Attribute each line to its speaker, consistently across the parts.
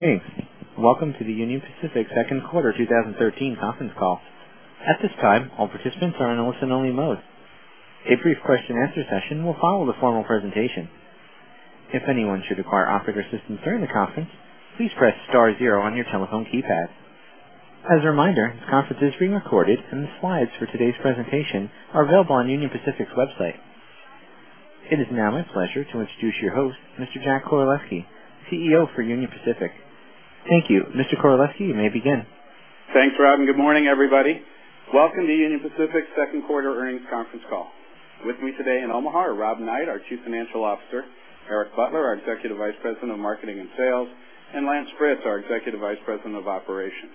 Speaker 1: Thanks. Welcome to the Union Pacific second quarter 2013 conference call. At this time, all participants are in a listen-only mode. A brief question answer session will follow the formal presentation. If anyone should require operator assistance during the conference, please press star zero on your telephone keypad. As a reminder, this conference is being recorded, and the slides for today's presentation are available on Union Pacific's website. It is now my pleasure to introduce your host, Mr. Jack Koraleski, CEO for Union Pacific. Thank you. Mr. Koraleski, you may begin.
Speaker 2: Thanks, Rob, and good morning, everybody. Welcome to Union Pacific's second quarter earnings conference call. With me today in Omaha are Rob Knight, our Chief Financial Officer, Eric Butler, our Executive Vice President of Marketing and Sales, and Lance Fritz, our Executive Vice President of Operations.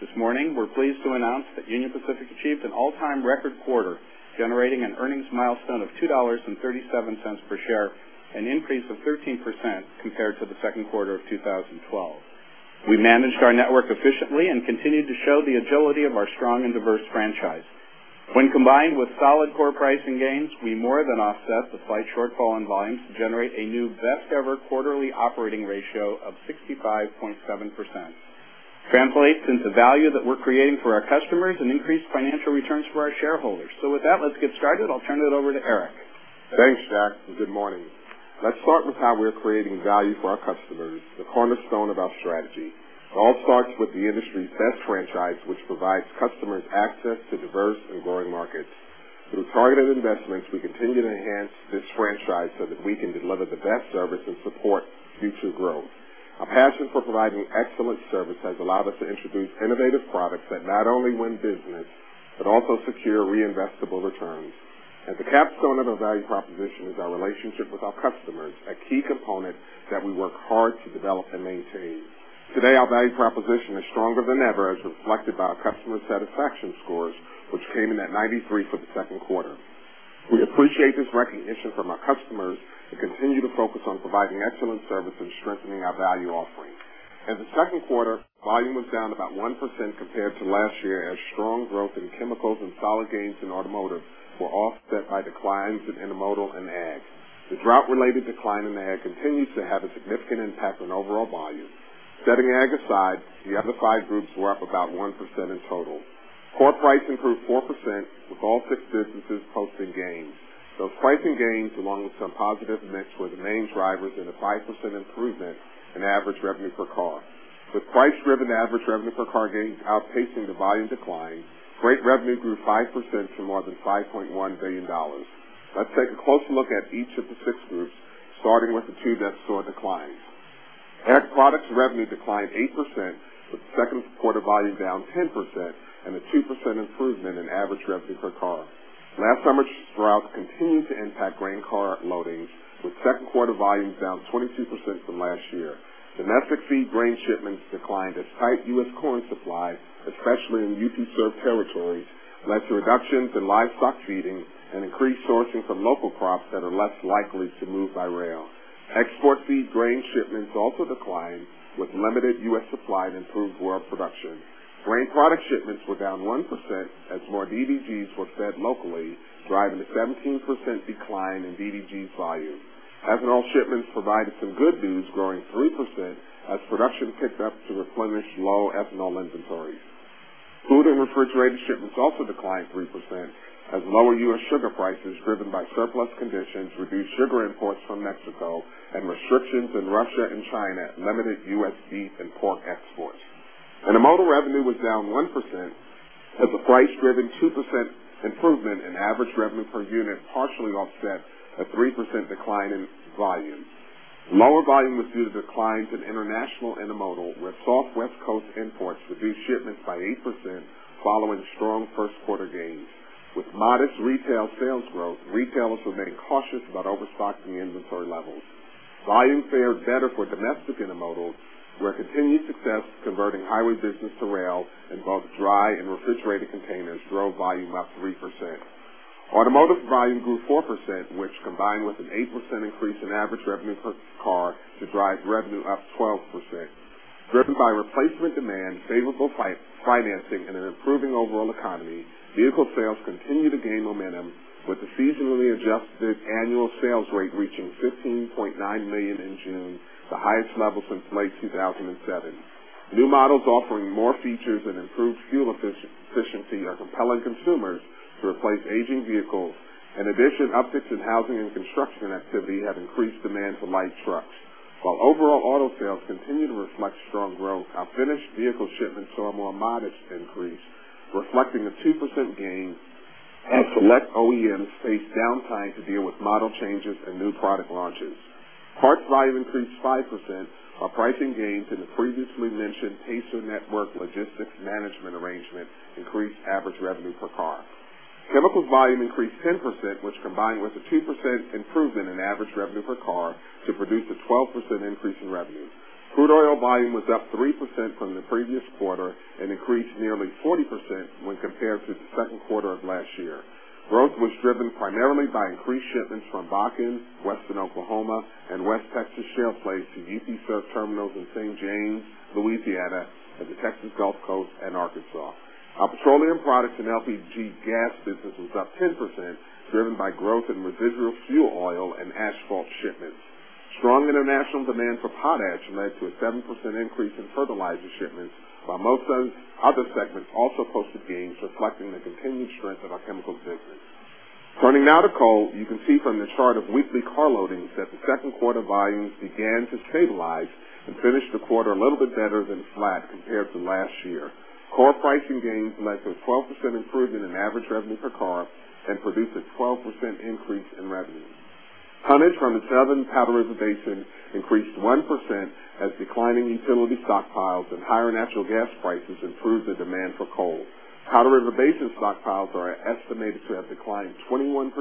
Speaker 2: This morning, we're pleased to announce that Union Pacific achieved an all-time record quarter, generating an earnings milestone of $2.37 per share, an increase of 13% compared to the second quarter of 2012. We managed our network efficiently and continued to show the agility of our strong and diverse franchise. When combined with solid core pricing gains, we more than offset the slight shortfall in volumes to generate a new best-ever quarterly operating ratio of 65.7%. Translates into value that we're creating for our customers and increased financial returns for our shareholders. With that, let's get started. I'll turn it over to Eric.
Speaker 3: Thanks, Jack, and good morning. Let's start with how we're creating value for our customers, the cornerstone of our strategy. It all starts with the industry's best franchise, which provides customers access to diverse and growing markets. Through targeted investments, we continue to enhance this franchise so that we can deliver the best service and support future growth. Our passion for providing excellent service has allowed us to introduce innovative products that not only win business, but also secure reinvestable returns. At the capstone of our value proposition is our relationship with our customers, a key component that we work hard to develop and maintain. Today, our value proposition is stronger than ever, as reflected by our customer satisfaction scores, which came in at 93% for the second quarter. We appreciate this recognition from our customers and continue to focus on providing excellent service and strengthening our value offering. In the second quarter, volume was down about 1% compared to last year, as strong growth in chemicals and solid gains in automotive were offset by declines in intermodal and ag. The drought-related decline in ag continues to have a significant impact on overall volume. Setting ag aside, the other five groups were up about 1% in total. Core price improved 4%, with all six businesses posting gains. Those pricing gains, along with some positive mix, were the main drivers in the 5% improvement in average revenue per car. With price-driven average revenue per car gain outpacing the volume decline, freight revenue grew 5% to more than $5.1 billion. Let's take a closer look at each of the six groups, starting with the two that saw a decline. Ag products revenue declined 8%, with second quarter volume down 10% and a 2% improvement in average revenue per car. Last summer's drought continued to impact grain car loadings, with second quarter volumes down 22% from last year. Domestic feed grain shipments declined as tight U.S. corn supply, especially in UP-served territories, led to reductions in livestock feeding and increased sourcing from local crops that are less likely to move by rail. Export feed grain shipments also declined, with limited U.S. supply and improved world production. Grain product shipments were down 1% as more DDGS were fed locally, driving a 17% decline in DDGS volume. Ethanol shipments provided some good news, growing 3% as production picked up to replenish low ethanol inventories. Food and refrigerated shipments also declined 3% as lower U.S. sugar prices, driven by surplus conditions, reduced sugar imports from Mexico and restrictions in Russia and China limited U.S. beef and pork exports. Intermodal revenue was down 1%, as a price-driven 2% improvement in average revenue per unit partially offset a 3% decline in volume. Lower volume was due to declines in international intermodal, where soft West Coast imports reduced shipments by 8%, following strong first quarter gains. With modest retail sales growth, retailers were being cautious about overstocking inventory levels. Volume fared better for domestic intermodal, where continued success converting highway business to rail in both dry and refrigerated containers drove volume up 3%. Automotive volume grew 4%, which, combined with an 8% increase in average revenue per car, to drive revenue up 12%. Driven by replacement demand, favorable financing, and an improving overall economy, vehicle sales continue to gain momentum, with the seasonally adjusted annual sales rate reaching 15.9 million in June, the highest level since late 2007. New models offering more features and improved fuel efficiency are compelling consumers to replace aging vehicles. In addition, upticks in housing and construction activity have increased demand for light trucks. While overall auto sales continue to reflect strong growth, our finished vehicle shipments saw a more modest increase, reflecting a 2% gain as select OEMs faced downtime to deal with model changes and new product launches. Parts volume increased 5%, while pricing gains in the previously mentioned Pacer network logistics management arrangement increased average revenue per car. Chemicals volume increased 10%, which combined with a 2% improvement in average revenue per car to produce a 12% increase in revenue. Crude oil volume was up 3% from the previous quarter and increased nearly 40% when compared to the second quarter of last year. Growth was driven primarily by increased shipments from Bakken, Western Oklahoma, and West Texas shale plays to UP served terminals in St. James, Louisiana, and the Texas Gulf Coast and Arkansas. Our petroleum products and LPG gas business was up 10%, driven by growth in residual fuel oil and asphalt shipments. Strong international demand for potash led to a 7% increase in fertilizer shipments, while most other segments also posted gains, reflecting the continued strength of our chemicals business. Turning now to coal, you can see from this chart of weekly car loadings that the second quarter volumes began to stabilize and finished the quarter a little bit better than flat compared to last year. Core pricing gains led to a 12% improvement in average revenue per car and produced a 12% increase in revenue. Tonnage from the Southern Powder River Basin increased 1%, as declining utility stockpiles and higher natural gas prices improved the demand for coal. Powder River Basin stockpiles are estimated to have declined 21%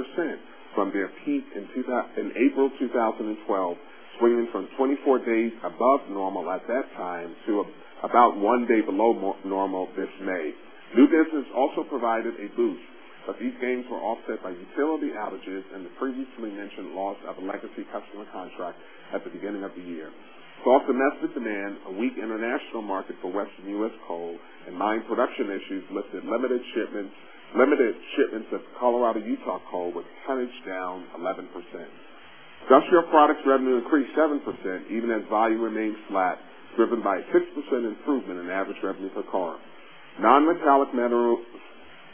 Speaker 3: from their peak in April 2012, swinging from 24 days above normal at that time to about 1 day below normal this May. New business also provided a boost, but these gains were offset by utility outages and the previously mentioned loss of a legacy customer contract at the beginning of the year. Soft domestic demand, a weak international market for Western U.S. coal and mine production issues limited shipments of Colorado, Utah coal, with tonnage down 11%. Industrial products revenue increased 7%, even as volume remained flat, driven by a 6% improvement in average revenue per car. Non-metallic mineral,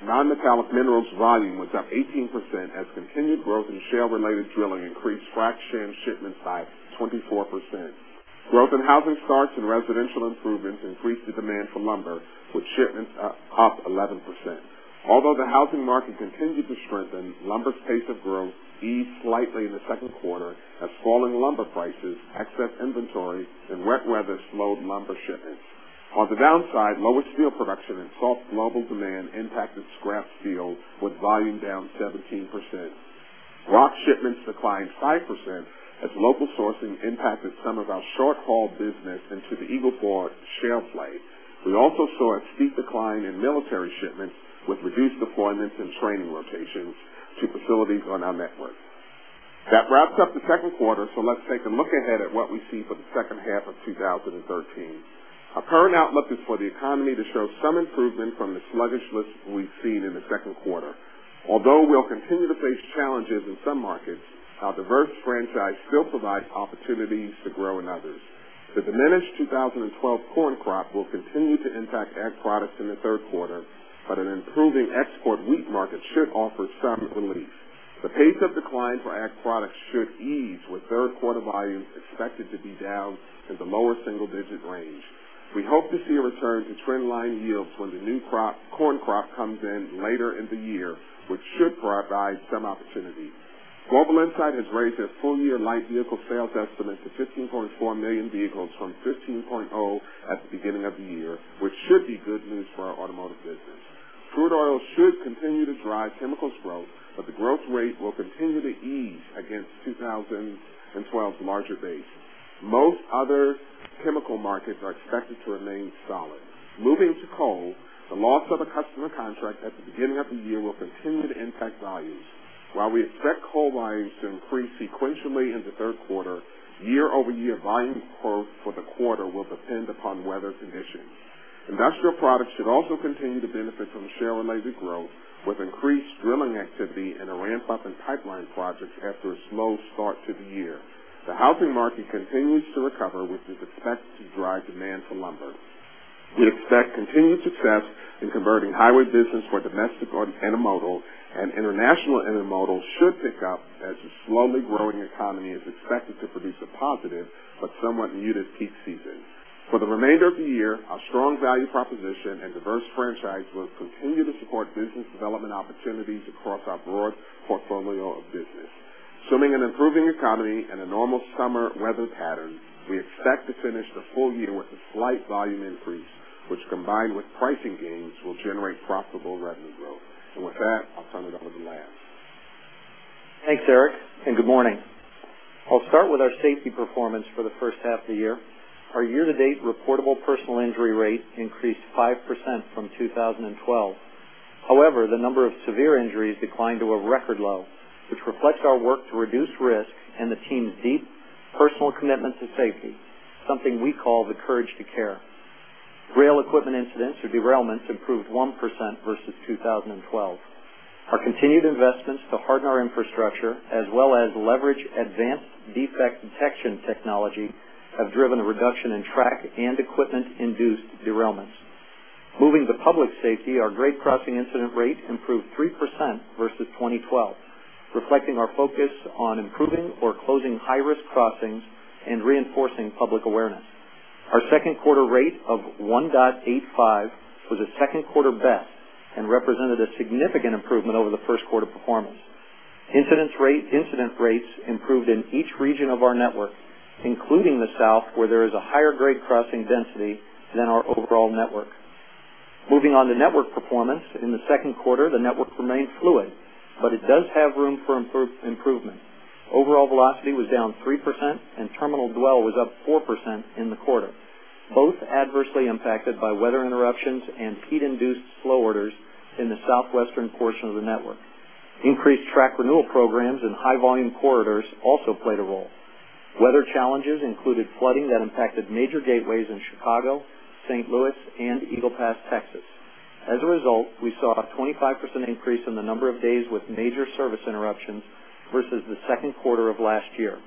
Speaker 3: non-metallic minerals volume was up 18% as continued growth in shale-related drilling increased frac sand shipments by 24%. Growth in housing starts and residential improvements increased the demand for lumber, with shipments up 11%. Although the housing market continued to strengthen, lumber's pace of growth eased slightly in the second quarter as falling lumber prices, excess inventory and wet weather slowed lumber shipments. On the downside, lower steel production and soft global demand impacted scrap steel, with volume down 17%. Rock shipments declined 5%, as local sourcing impacted some of our short-haul business into the Eagle Ford Shale play. We also saw a steep decline in military shipments, with reduced deployments and training rotations to facilities on our network. That wraps up the second quarter, so let's take a look ahead at what we see for the second half of 2013. Our current outlook is for the economy to show some improvement from the sluggish list we've seen in the second quarter. Although we'll continue to face challenges in some markets, our diverse franchise still provides opportunities to grow in others. The diminished 2012 corn crop will continue to impact ag products in the third quarter, but an improving export wheat market should offer some relief. The pace of decline for ag products should ease, with third quarter volumes expected to be down in the lower single digit range. We hope to see a return to trend line yields when the new crop, corn crop comes in later in the year, which should provide some opportunity. Global Insight has raised their full-year light vehicle sales estimate to 15.4 million vehicles from 15.0 vehicles at the beginning of the year, which should be good news for our automotive business. Crude oil should continue to drive chemicals growth, but the growth rate will continue to ease against 2012's larger base. Most other chemical markets are expected to remain solid. Moving to coal, the loss of a customer contract at the beginning of the year will continue to impact volumes. While we expect coal volumes to increase sequentially in the third quarter, year-over-year volume growth for the quarter will depend upon weather conditions. Industrial products should also continue to benefit from shale-related growth, with increased drilling activity and a ramp up in pipeline projects after a slow start to the year. The housing market continues to recover, which is expected to drive demand for lumber. We expect continued success in converting highway business for domestic or intermodal, and international intermodal should pick up as the slowly growing economy is expected to produce a positive but somewhat muted peak season. For the remainder of the year, our strong value proposition and diverse franchise will continue to support business development opportunities across our broad portfolio of business. Assuming an improving economy and a normal summer weather pattern, we expect to finish the full year with a slight volume increase, which, combined with pricing gains, will generate profitable revenue growth. And with that, I'll turn it over to Lance.
Speaker 4: Thanks, Eric, and good morning. I'll start with our safety performance for the first half of the year. Our year-to-date reportable personal injury rate increased 5% from 2012. However, the number of severe injuries declined to a record low, which reflects our work to reduce risk and the team's deep personal commitment to safety, something we call the Courage to Care. Rail equipment incidents or derailments improved 1% versus 2012. Our continued investments to harden our infrastructure, as well as leverage advanced defect detection technology, have driven a reduction in track and equipment-induced derailments. Moving to public safety, our grade crossing incident rate improved 3% versus 2012, reflecting our focus on improving or closing high-risk crossings and reinforcing public awareness. Our second quarter rate of 1.85 was a second quarter best and represented a significant improvement over the first quarter performance. Incident rates improved in each region of our network, including the South, where there is a higher grade crossing density than our overall network. Moving on to network performance, in the second quarter, the network remained fluid, but it does have room for improvement. Overall velocity was down 3% and terminal dwell was up 4% in the quarter, both adversely impacted by weather interruptions and heat-induced slow orders in the southwestern portion of the network. Increased track renewal programs and high volume corridors also played a role. Weather challenges included flooding that impacted major gateways in Chicago, St. Louis, and Eagle Pass, Texas. As a result, we saw a 25% increase in the number of days with major service interruptions versus the second quarter of last year.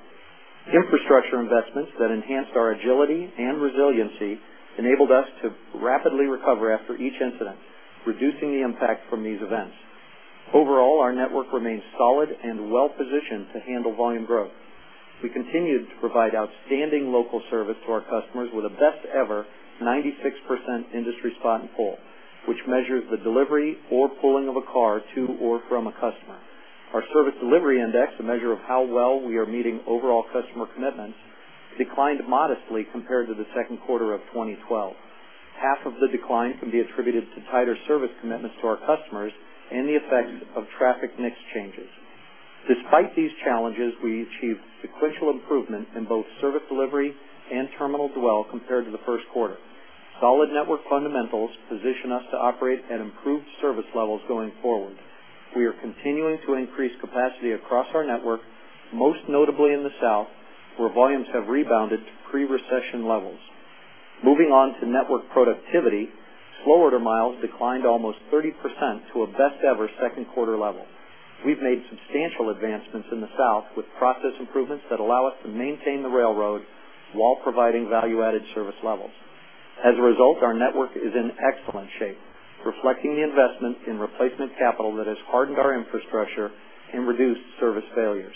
Speaker 4: Infrastructure investments that enhanced our agility and resiliency enabled us to rapidly recover after each incident, reducing the impact from these events. Overall, our network remains solid and well-positioned to handle volume growth. We continued to provide outstanding local service to our customers with a best ever 96% Industry Spot and Pull, which measures the delivery or pulling of a car to or from a customer. OurService Delivery Index, a measure of how well we are meeting overall customer commitments, declined modestly compared to the second quarter of 2012. Half of the decline can be attributed to tighter service commitments to our customers and the effects of traffic mix changes. Despite these challenges, we achieved sequential improvement in both service delivery and terminal dwell compared to the first quarter. Solid network fundamentals position us to operate at improved service levels going forward. We are continuing to increase capacity across our network, most notably in the south, where volumes have rebounded to pre-recession levels. Moving on to network productivity, slow order miles declined almost 30% to a best ever second quarter level. We've made substantial advancements in the south, with process improvements that allow us to maintain the railroad while providing value-added service levels. As a result, our network is in excellent shape, reflecting the investment in replacement capital that has hardened our infrastructure and reduced service failures.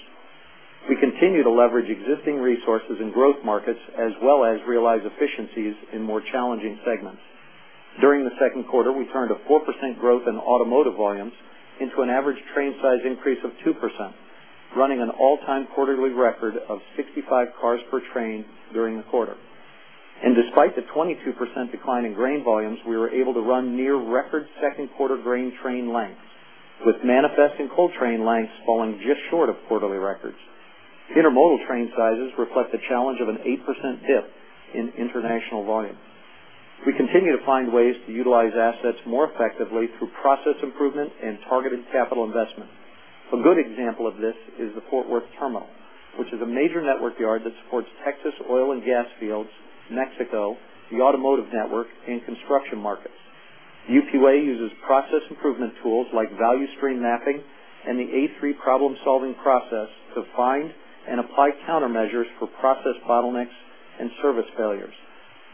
Speaker 4: We continue to leverage existing resources in growth markets, as well as realize efficiencies in more challenging segments. During the second quarter, we turned a 4% growth in automotive volumes into an average train size increase of 2%, running an all-time quarterly record of 65 cars per train during the quarter. Despite the 22% decline in grain volumes, we were able to run near record second quarter grain train lengths, with manifest and coal train lengths falling just short of quarterly records. Intermodal train sizes reflect the challenge of an 8% dip in international volumes. We continue to find ways to utilize assets more effectively through process improvement and targeted capital investment. A good example of this is the Fort Worth terminal, which is a major network yard that supports Texas oil and gas fields, Mexico, the automotive network, and construction markets. UP Way uses process improvement tools like value stream mapping and the A3 problem-solving process to find and apply countermeasures for process bottlenecks and service failures.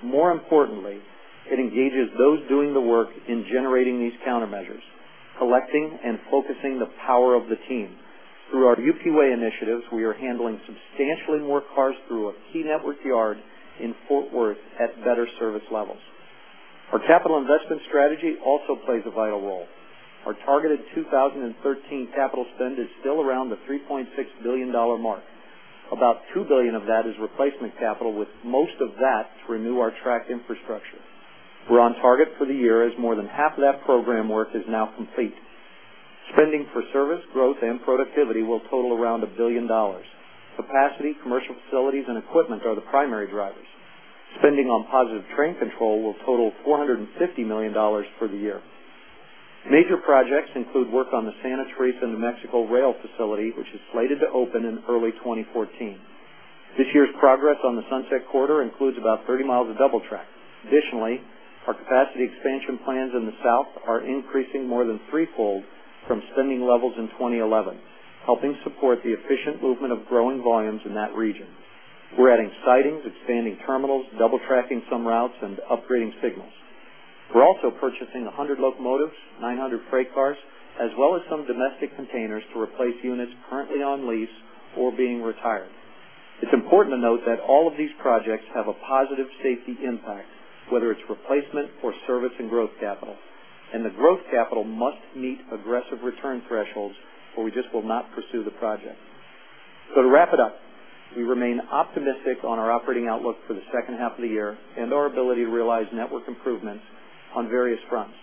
Speaker 4: More importantly, it engages those doing the work in generating these countermeasures, collecting and focusing the power of the team. Through our UP Way initiatives, we are handling substantially more cars through a key network yard in Fort Worth at better service levels. Our capital investment strategy also plays a vital role. Our targeted 2013 capital spend is still around the $3.6 billion mark. About $2 billion of that is replacement capital, with most of that to renew our track infrastructure. We're on target for the year, as more than half of that program work is now complete. Spending for service, growth, and productivity will total around $1 billion. Capacity, commercial facilities, and equipment are the primary drivers. Spending on Positive Train Control will total $450 million for the year. Major projects include work on the Santa Teresa, New Mexico, rail facility, which is slated to open in early 2014. This year's progress on the Sunset Corridor includes about 30 miles of double track. Additionally, our capacity expansion plans in the south are increasing more than threefold from spending levels in 2011, helping support the efficient movement of growing volumes in that region. We're adding sidings, expanding terminals, double tracking some routes, and upgrading signals. We're also purchasing 100 locomotives, 900 freight cars, as well as some domestic containers to replace units currently on lease or being retired. It's important to note that all of these projects have a positive safety impact, whether it's replacement or service and growth capital, and the growth capital must meet aggressive return thresholds, or we just will not pursue the project. So to wrap it up, we remain optimistic on our operating outlook for the second half of the year and our ability to realize network improvements on various fronts.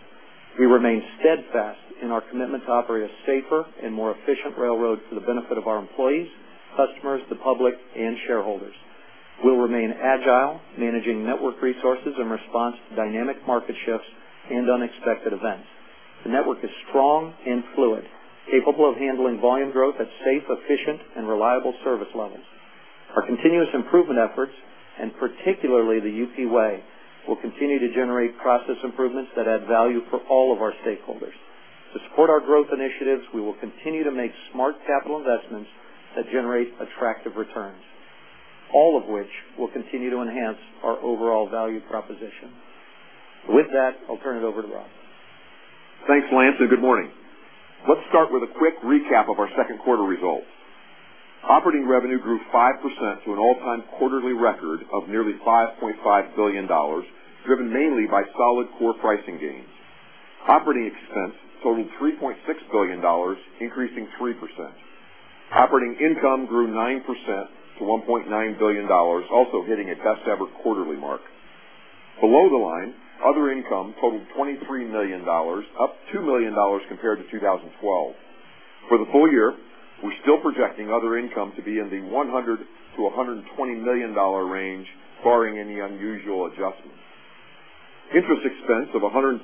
Speaker 4: We remain steadfast in our commitment to operate a safer and more efficient railroad for the benefit of our employees, customers, the public, and shareholders. We'll remain agile, managing network resources in response to dynamic market shifts and unexpected events. The network is strong and fluid, capable of handling volume growth at safe, efficient, and reliable service levels. Our continuous improvement efforts, and particularly the UP Way, will continue to generate process improvements that add value for all of our stakeholders. To support our growth initiatives, we will continue to make smart capital investments that generate attractive returns, all of which will continue to enhance our overall value proposition. With that, I'll turn it over to Rob.
Speaker 5: Thanks, Lance, and good morning. Let's start with a quick recap of our second quarter results. Operating revenue grew 5% to an all-time quarterly record of nearly $5.5 billion, driven mainly by solid core pricing gains. Operating expense totaled $3.6 billion, increasing 3%. Operating income grew 9% to $1.9 billion, also hitting a best ever quarterly mark. Below the line, other income totaled $23 million, up $2 million compared to 2012. For the full year, we're still projecting other income to be in the $100 million-$120 million range, barring any unusual adjustments. Interest expense of $133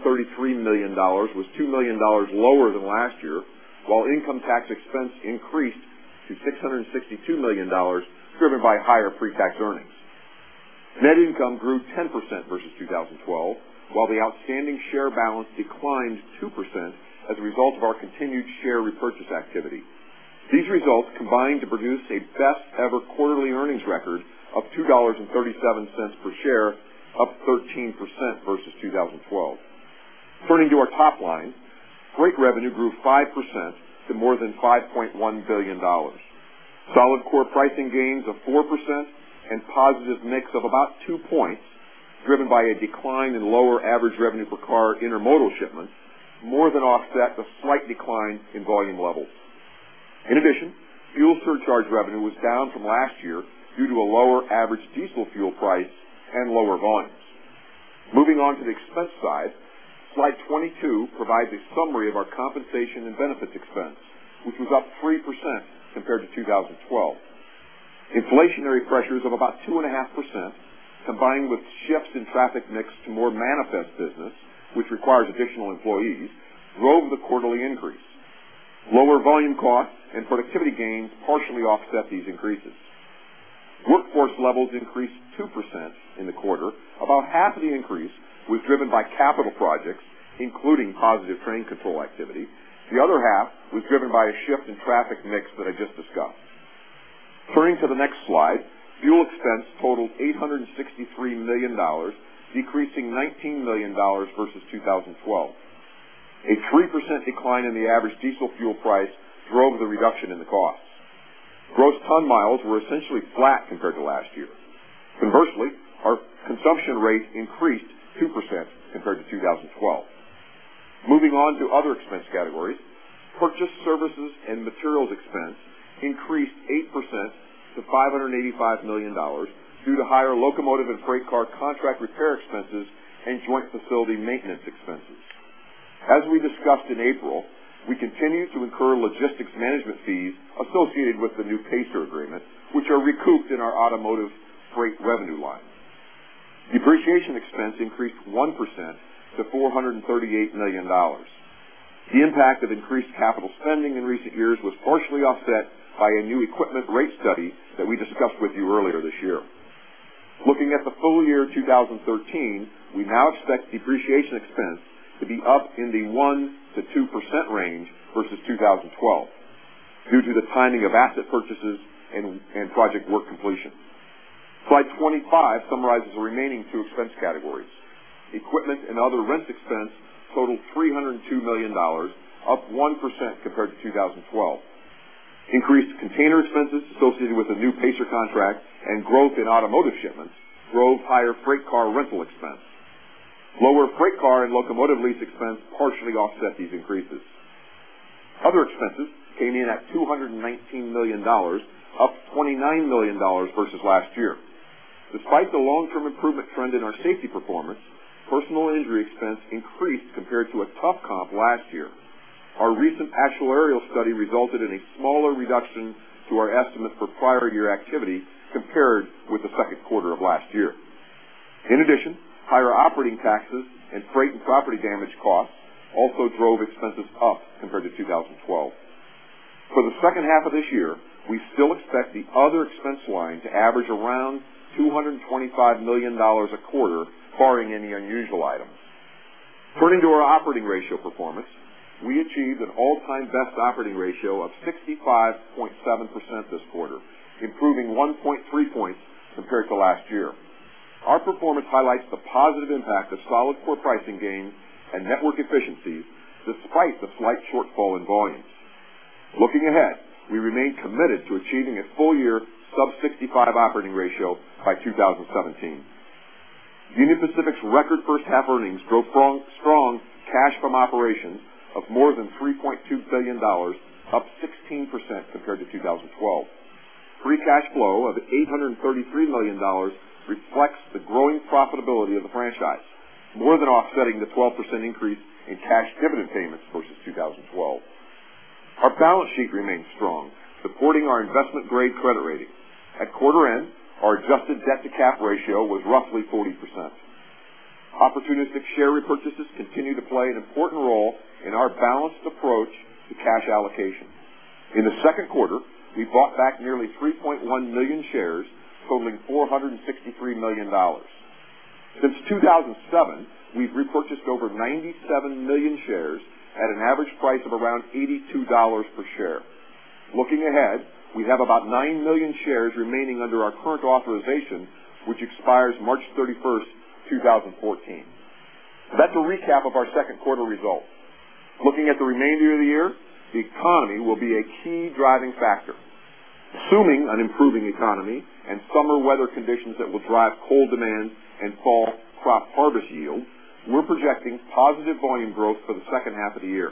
Speaker 5: million was $2 million lower than last year, while income tax expense increased to $662 million, driven by higher pre-tax earnings. Net income grew 10% versus 2012, while the outstanding share balance declined 2% as a result of our continued share repurchase activity. These results combined to produce a best ever quarterly earnings record of $2.37 per share, up 13% versus 2012. Turning to our top line, freight revenue grew 5% to more than $5.1 billion. Solid core pricing gains of 4% and positive mix of about 2 points, driven by a decline in lower average revenue per car intermodal shipments, more than offset the slight decline in volume levels. In addition, fuel surcharge revenue was down from last year due to a lower average diesel fuel price and lower volumes. Moving on to the expense side, slide 22 provides a summary of our compensation and benefits expense, which was up 3% compared to 2012. Inflationary pressures of about 2.5%, combined with shifts in traffic mix to more manifest business, which requires additional employees, drove the quarterly increase. Lower volume costs and productivity gains partially offset these increases. Workforce levels increased 2% in the quarter. About half of the increase was driven by capital projects, including Positive Train Control activity. The other half was driven by a shift in traffic mix that I just discussed. Turning to the next slide, fuel expense totaled $863 million, decreasing $19 million versus 2012. A 3% decline in the average diesel fuel price drove the reduction in the costs. Gross ton miles were essentially flat compared to last year. Conversely, our consumption rate increased 2% compared to 2012. Moving on to other expense categories, purchase services and materials expense increased 8% to $585 million due to higher locomotive and freight car contract repair expenses and joint facility maintenance expenses. As we discussed in April, we continue to incur logistics management fees associated with the new Pacer agreement, which are recouped in our automotive freight revenue line. Depreciation expense increased 1% to $438 million. The impact of increased capital spending in recent years was partially offset by a new equipment rate study that we discussed with you earlier this year. Looking at the full year 2013, we now expect depreciation expense to be up in the 1%-2% range versus 2012, due to the timing of asset purchases and project work completion. Slide 25 summarizes the remaining two expense categories. Equipment and other rent expense totaled $302 million, up 1% compared to 2012. Increased container expenses associated with the new Pacer contract and growth in automotive shipments drove higher freight car rental expense. Lower freight car and locomotive lease expense partially offset these increases. Other expenses came in at $219 million, up $29 million versus last year. Despite the long-term improvement trend in our safety performance, personal injury expense increased compared to a tough comp last year. Our recent actuarial study resulted in a smaller reduction to our estimate for prior year activity compared with the second quarter of last year. In addition, higher operating taxes and freight and property damage costs also drove expenses up compared to 2012. For the second half of this year, we still expect the other expense line to average around $225 million a quarter, barring any unusual items. Turning to our operating ratio performance, we achieved an all-time best operating ratio of 65.7% this quarter, improving 1.3 points compared to last year. Looking ahead, we remain committed to achieving a full year sub-65 operating ratio by 2017. Union Pacific's record first half earnings drove strong, strong cash from operations of more than $3.2 billion, up 16% compared to 2012. Free cash flow of $833 million reflects the growing profitability of the franchise, more than offsetting the 12% increase in cash dividend payments versus 2012. Our balance sheet remains strong, supporting our investment-grade credit rating. At quarter end, our adjusted debt to cap ratio was roughly 40%. Opportunistic share repurchases continue to play an important role in our balanced approach to cash allocation. In the second quarter, we bought back nearly 3.1 million shares, totaling $463 million. Since 2007, we've repurchased over 97 million shares at an average price of around $82 per share. Looking ahead, we have about 9 million shares remaining under our current authorization, which expires March 31, 2014. That's a recap of our second quarter results. Looking at the remainder of the year, the economy will be a key driving factor. Assuming an improving economy and summer weather conditions that will drive coal demand and fall crop harvest yield, we're projecting positive volume growth for the second half of the year,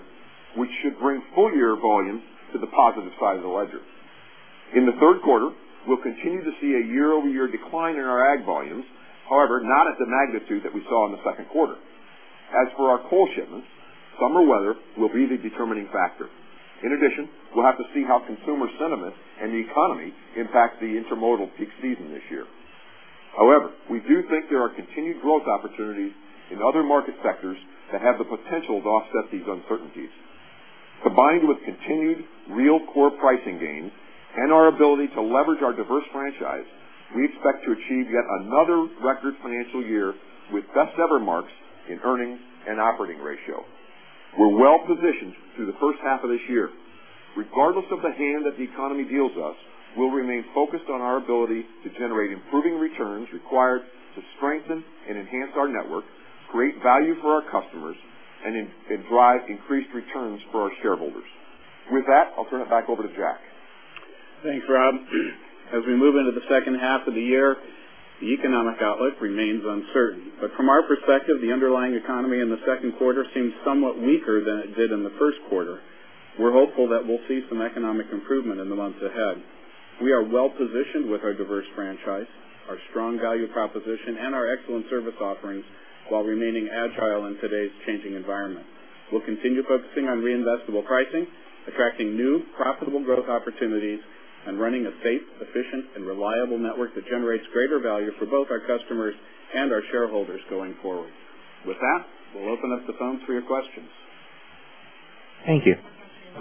Speaker 5: which should bring full year volume to the positive side of the ledger. In the third quarter, we'll continue to see a year-over-year decline in our ag volumes, however, not at the magnitude that we saw in the second quarter. As for our coal shipments, summer weather will be the determining factor. In addition, we'll have to see how consumer sentiment and the economy impact the intermodal peak season this year. However, we do think there are continued growth opportunities in other market sectors that have the potential to offset these uncertainties. Combined with continued real core pricing gains and our ability to leverage our diverse franchise, we expect to achieve yet another record financial year with best ever marks in earnings and operating ratio. We're well positioned through the first half of this year. Regardless of the hand that the economy deals us, we'll remain focused on our ability to generate improving returns required to strengthen and enhance our network, create value for our customers, and innovate and drive increased returns for our shareholders. With that, I'll turn it back over to Jack.
Speaker 2: Thanks, Rob. As we move into the second half of the year, the economic outlook remains uncertain. But from our perspective, the underlying economy in the second quarter seems somewhat weaker than it did in the first quarter. We're hopeful that we'll see some economic improvement in the months ahead. We are well positioned with our diverse franchise, our strong value proposition, and our excellent service offerings, while remaining agile in today's changing environment. We'll continue focusing on reinvestable pricing, attracting new, profitable growth opportunities, and running a safe, efficient, and reliable network that generates greater value for both our customers and our shareholders going forward. With that, we'll open up the phone for your questions.
Speaker 1: Thank you.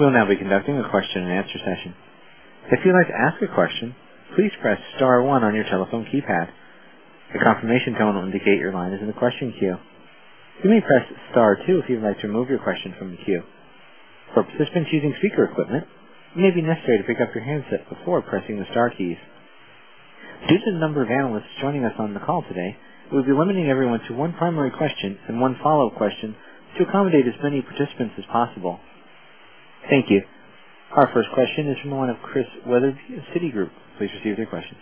Speaker 1: We'll now be conducting a question-and-answer session. If you'd like to ask a question, please press star one on your telephone keypad. A confirmation tone will indicate your line is in the question queue. You may press star two if you'd like to remove your question from the queue. For participants using speaker equipment, it may be necessary to pick up your handset before pressing the star keys. Due to the number of analysts joining us on the call today, we'll be limiting everyone to one primary question and one follow-up question to accommodate as many participants as possible. Thank you. Our first question is from the line of Chris Wetherbee, Citigroup. Please proceed with your question.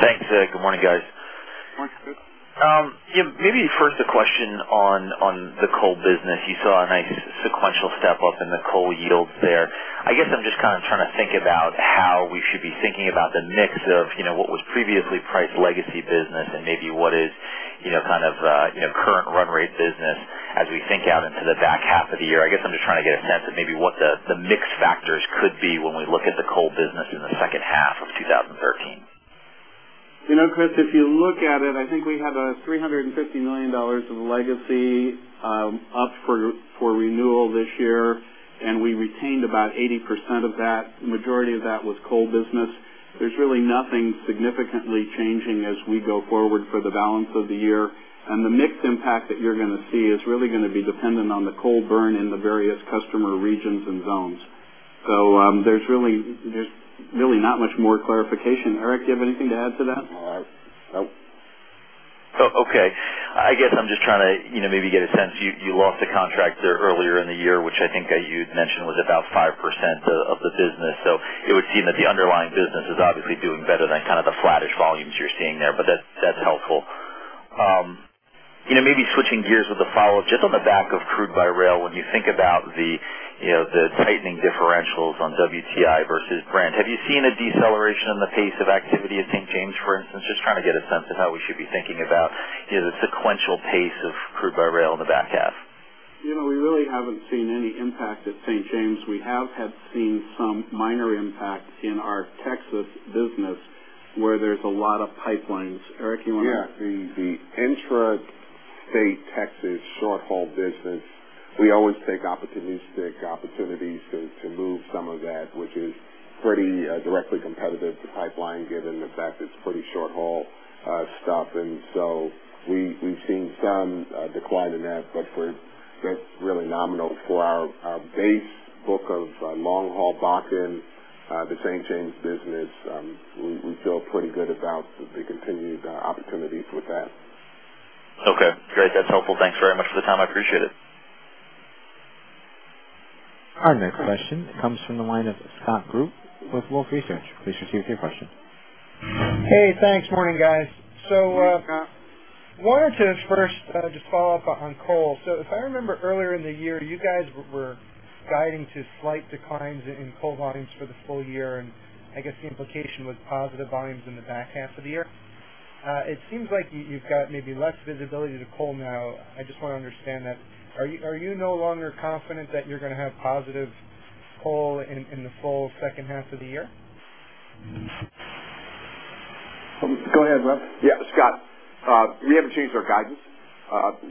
Speaker 6: Thanks. Good morning, guys.
Speaker 2: Good morning, Chris.
Speaker 6: Yeah, maybe first a question on, on the coal business. You saw a nice sequential step up in the coal yields there. I guess I'm just kind of trying to think about how we should be thinking about the mix of, you know, what was previously priced legacy business and maybe what is, you know, kind of, you know, current run rate business as we think out into the back half of the year. I guess I'm just trying to get a sense of maybe what the, the mix factors could be when we look at the coal business in the second half of 2013.
Speaker 2: You know, Chris, if you look at it, I think we have $350 million of legacy up for renewal this year, and we retained about 80% of that. The majority of that was coal business. There's really nothing significantly changing as we go forward for the balance of the year. The mix impact that you're gonna see is really gonna be dependent on the coal burn in the various customer regions and zones. So, there's really not much more clarification. Eric, do you have anything to add to that?
Speaker 3: Uh, nope.
Speaker 6: Oh, okay. I guess I'm just trying to, you know, maybe get a sense. You, you lost a contract there earlier in the year, which I think you'd mentioned was about 5% of, of the business. So it would seem that the underlying business is obviously doing better than kind of the flattish volumes you're seeing there. But that's, that's helpful. You know, maybe switching gears with the follow-up, just on the back of crude by rail, when you think about the, you know, the tightening differentials on WTI versus Brent, have you seen a deceleration in the pace of activity at St. James, for instance? Just trying to get a sense of how we should be thinking about, you know, the sequential pace of crude by rail in the back half.
Speaker 2: You know, we really haven't seen any impact at St. James. We have had seen some minor impact in our Texas business, where there's a lot of pipelines. Eric, you want to-
Speaker 3: Yeah, the intrastate Texas short-haul business, we always take opportunistic opportunities to move some of that, which is pretty directly competitive to pipeline, given the fact it's pretty short-haul stuff. And so we, we've seen some decline in that, but we're, that's really nominal. For our base book of long-haul Bakken, the St. James business, we feel pretty good about the continued opportunities with that.
Speaker 6: Okay, great. That's helpful. Thanks very much for the time. I appreciate it.
Speaker 1: Our next question comes from the line of Scott Group, Wolfe Research. Please proceed with your question.
Speaker 7: Hey, thanks. Morning, guys. So, wanted to first, just follow up on coal. So if I remember earlier in the year, you guys were guiding to slight declines in coal volumes for the full year, and I guess the implication was positive volumes in the back half of the year. It seems like you've got maybe less visibility to coal now. I just want to understand that. Are you no longer confident that you're gonna have positive coal in the full second half of the year?
Speaker 2: Go ahead, Rob.
Speaker 5: Yeah, Scott, we haven't changed our guidance,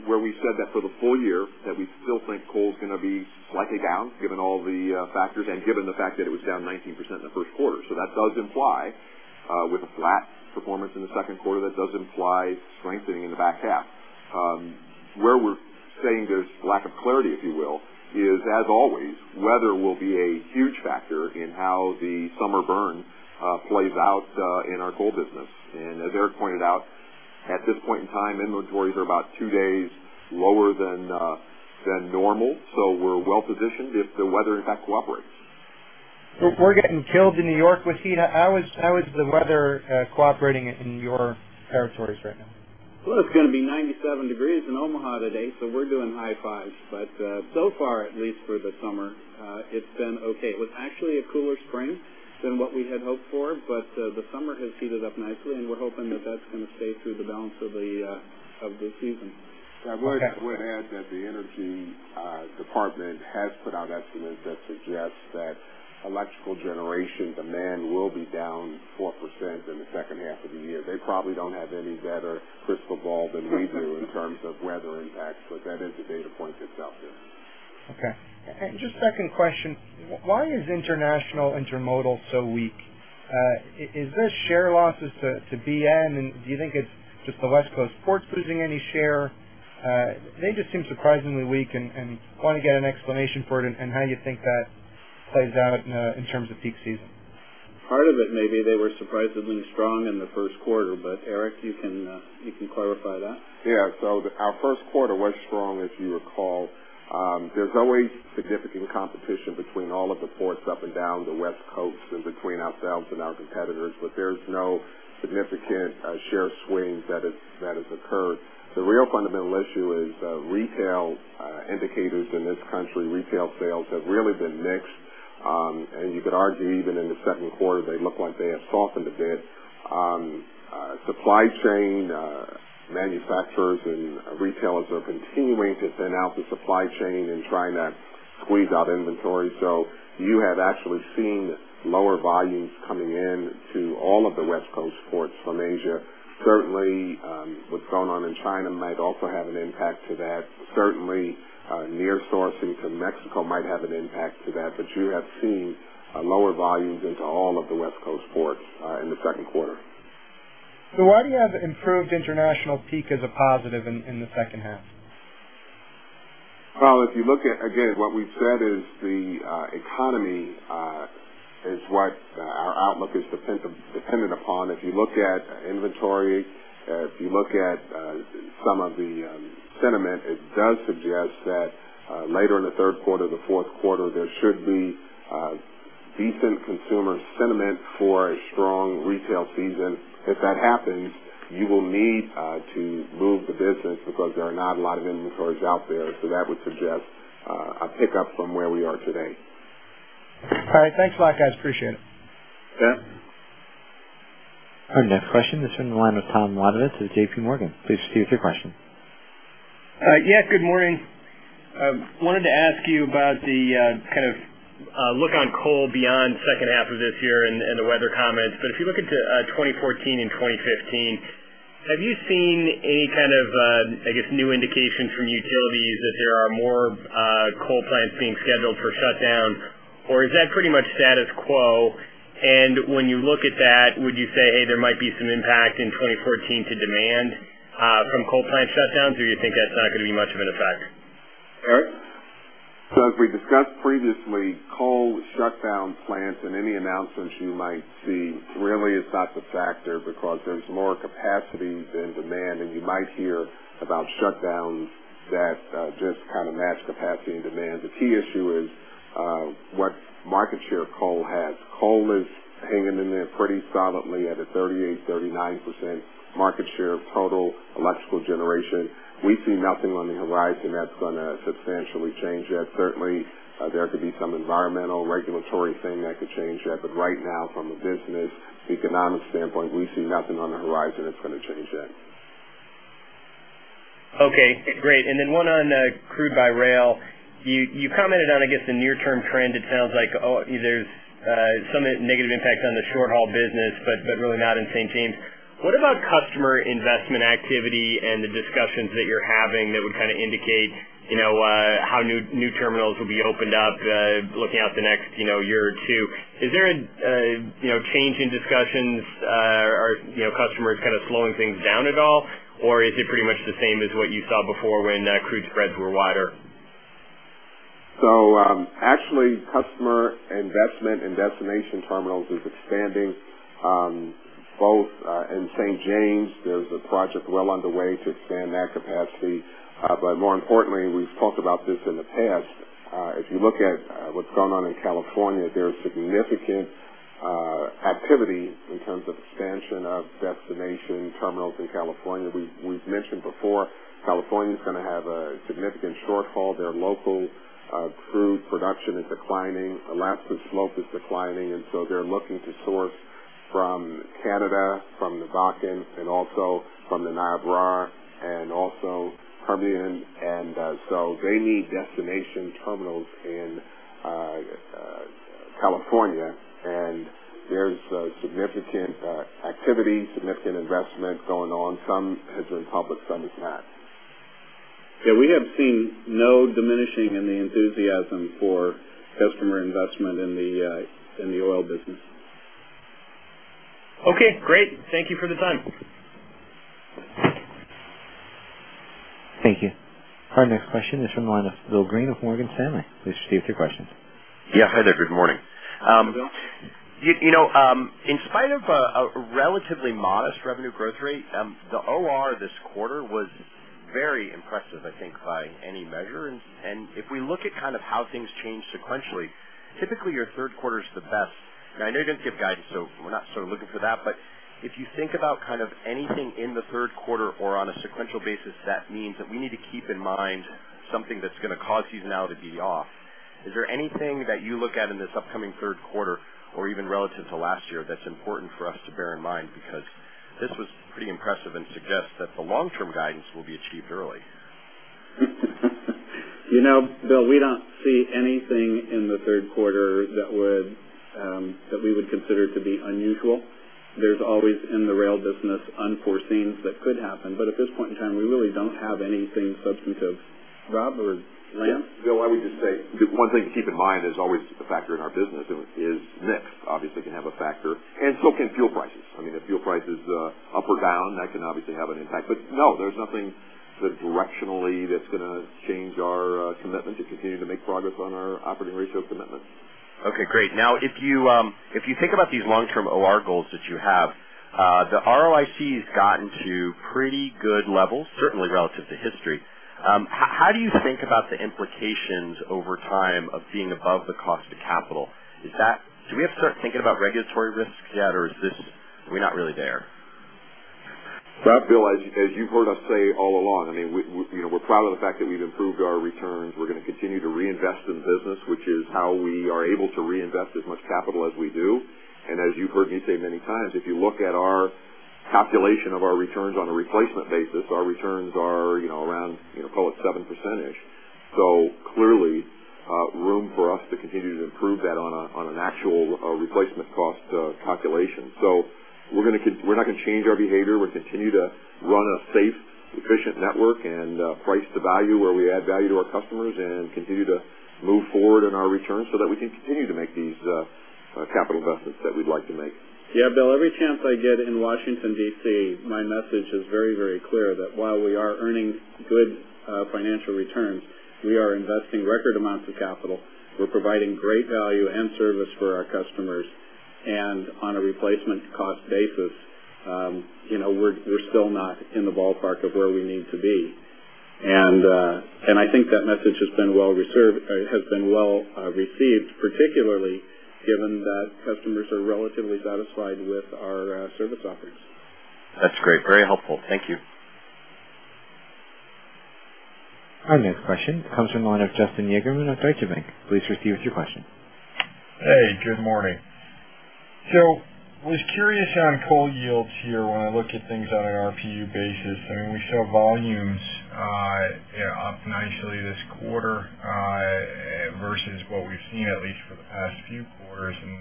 Speaker 5: where we said that for the full year, that we still think coal is gonna be slightly down, given all the factors and given the fact that it was down 19% in the first quarter. So that does imply, with a flat performance in the second quarter, that does imply strengthening in the back half. Where we're saying there's lack of clarity, if you will, is, as always, weather will be a huge factor in how the summer burn plays out in our coal business. And as Eric pointed out, at this point in time, inventories are about two days lower than normal, so we're well positioned if the weather, in fact, cooperates.
Speaker 7: We're getting killed in New York with heat. How is, how is the weather cooperating in your territories right now?
Speaker 2: Well, it's gonna be 97 degrees in Omaha today, so we're doing high fives. But so far, at least for the summer, it's been okay. It was actually a cooler spring than what we had hoped for, but the summer has heated up nicely, and we're hoping that that's gonna stay through the balance of the season.
Speaker 5: I would add that the Energy Department has put out estimates that suggest that electrical generation demand will be down 4% in the second half of the year. They probably don't have any better crystal ball than we do in terms of weather impacts, but that is the data point that's out there.
Speaker 7: Okay. And just second question, why is international intermodal so weak? Is this share losses to BN, and do you think it's just the West Coast ports losing any share? They just seem surprisingly weak and want to get an explanation for it and how you think that plays out in terms of peak season.
Speaker 2: Part of it may be they were surprisingly strong in the first quarter, but Eric, you can, you can clarify that.
Speaker 3: Yeah. So our first quarter was strong, as you recall. There's always significant competition between all of the ports up and down the West Coast and between ourselves and our competitors, but there's no significant share swing that has occurred. The real fundamental issue is retail indicators in this country. Retail sales have really been mixed, and you could argue even in the second quarter, they look like they have softened a bit. Supply chain manufacturers and retailers are continuing to thin out the supply chain and trying to squeeze out inventory. So you have actually seen lower volumes coming in to all of the West Coast ports from Asia. Certainly, what's going on in China might also have an impact to that. Certainly, nearshoring to Mexico might have an impact to that, but you have seen a lower volumes into all of the West Coast ports in the second quarter.
Speaker 7: Why do you have improved international peak as a positive in the second half?
Speaker 3: Well, if you look at again, what we've said is the economy is what our outlook is dependent upon. If you look at inventory, if you look at some of the sentiment, it does suggest that later in the third quarter, the fourth quarter, there should be decent consumer sentiment for a strong retail season. If that happens, you will need to move the business because there are not a lot of inventories out there. So that would suggest a pickup from where we are today.
Speaker 7: All right. Thanks a lot, guys. Appreciate it.
Speaker 3: Yeah.
Speaker 1: Our next question is from the line of Tom Wadewitz at J.P. Morgan. Please proceed with your question.
Speaker 8: Yeah, good morning. Wanted to ask you about the kind of look on coal beyond second half of this year and the weather comments. But if you look into 2014 and 2015, have you seen any kind of, I guess, new indications from utilities that there are more coal plants being scheduled for shutdown? Or is that pretty much status quo? And when you look at that, would you say, hey, there might be some impact in 2014 to demand from coal plant shutdowns, or you think that's not going to be much of an effect?
Speaker 2: Eric?
Speaker 3: So as we discussed previously, coal shutdown plants and any announcements you might see really is not the factor because there's more capacity than demand, and you might hear about shutdowns that, just kind of match capacity and demand. The key issue is, what market share coal has. Coal is hanging in there pretty solidly at a 38%-39% market share of total electrical generation. We see nothing on the horizon that's gonna substantially change that. Certainly, there could be some environmental regulatory thing that could change that, but right now, from a business economic standpoint, we see nothing on the horizon that's gonna change that.
Speaker 8: Okay, great. And then one on crude by rail. You commented on, I guess, the near term trend. It sounds like, oh, there's some negative impact on the short haul business, but really not in St. James. What about customer investment activity and the discussions that you're having that would kind of indicate, you know, how new terminals will be opened up, looking out the next, you know, year or two? Is there a, you know, change in discussions? Are, you know, customers kind of slowing things down at all, or is it pretty much the same as what you saw before when crude spreads were wider?
Speaker 3: So, actually, customer investment in destination terminals is expanding, both, in St. James, there's a project well underway to expand that capacity. But more importantly, we've talked about this in the past. If you look at, what's going on in California, there is significant, activity in terms of expansion of destination terminals in California. We've mentioned before, California is gonna have a significant shortfall. Their local, crude production is declining, Alaska Slope is declining, and so they're looking to source from Canada, from the Bakken, and also from the Niobrara and also Permian. And, so they need destination terminals in, California, and there's a significant, activity, significant investment going on. Some has been public, some is not.
Speaker 2: Yeah, we have seen no diminishing in the enthusiasm for customer investment in the oil business.
Speaker 8: Okay, great. Thank you for the time.
Speaker 1: Thank you. Our next question is from the line of Bill Greene, with Morgan Stanley. Please proceed with your question.
Speaker 9: Yeah. Hi there. Good morning.
Speaker 3: Hi, Bill.
Speaker 9: You know, in spite of a relatively modest revenue growth rate, the OR this quarter was very impressive, I think, by any measure. If we look at kind of how things change sequentially, typically your third quarter is the best. I know you don't give guidance, so we're not sort of looking for that. If you think about kind of anything in the third quarter or on a sequential basis, that means that we need to keep in mind something that's gonna cause seasonality to be off. Is there anything that you look at in this upcoming third quarter or even relative to last year, that's important for us to bear in mind? Because this was pretty impressive and suggests that the long-term guidance will be achieved early.
Speaker 2: You know, Bill, we don't see anything in the third quarter that would, that we would consider to be unusual. There's always in the rail business, unforeseens that could happen, but at this point in time, we really don't have anything substantive, Rob or Lance?
Speaker 5: Yeah, Bill, I would just say, one thing to keep in mind, there's always a factor in our business is mix, obviously, can have a factor, and so can fuel prices. I mean, if fuel price is up or down, that can obviously have an impact. But no, there's nothing sort of directionally that's gonna change our commitment to continue to make progress on our operating ratio commitment.
Speaker 9: Okay, great. Now, if you, if you think about these long-term OR goals that you have, the ROIC has gotten to pretty good levels, certainly relative to history. How, how do you think about the implications over time of being above the cost of capital? Is that, do we have to start thinking about regulatory risks yet, or is this, we're not really there?
Speaker 2: Rob?
Speaker 5: Bill, as you've heard us say all along, I mean, you know, we're proud of the fact that we've improved our returns. We're gonna continue to reinvest in the business, which is how we are able to reinvest as much capital as we do. And as you've heard me say many times, if you look at our calculation of our returns on a replacement basis, our returns are, you know, around, you know, call it 7%. So clearly, room for us to continue to improve that on an actual replacement cost calculation. So we're not gonna change our behavior. We continue to run a safe, efficient network and price to value, where we add value to our customers and continue to move forward in our returns so that we can continue to make these capital investments that we'd like to make.
Speaker 2: Yeah, Bill, every chance I get in Washington, D.C., my message is very, very clear that while we are earning good financial returns, we are investing record amounts of capital. We're providing great value and service for our customers, and on a replacement cost basis, you know, we're still not in the ballpark of where we need to be. And I think that message has been well received, particularly given that customers are relatively satisfied with our service offerings.
Speaker 9: That's great. Very helpful. Thank you.
Speaker 1: Our next question comes from the line of Justin Yagerman of Deutsche Bank. Please proceed with your question.
Speaker 10: Hey, good morning. So I was curious on coal yields here. When I look at things on an RPU basis, I mean, we show volumes, you know, up nicely this quarter versus what we've seen, at least for the past few quarters, and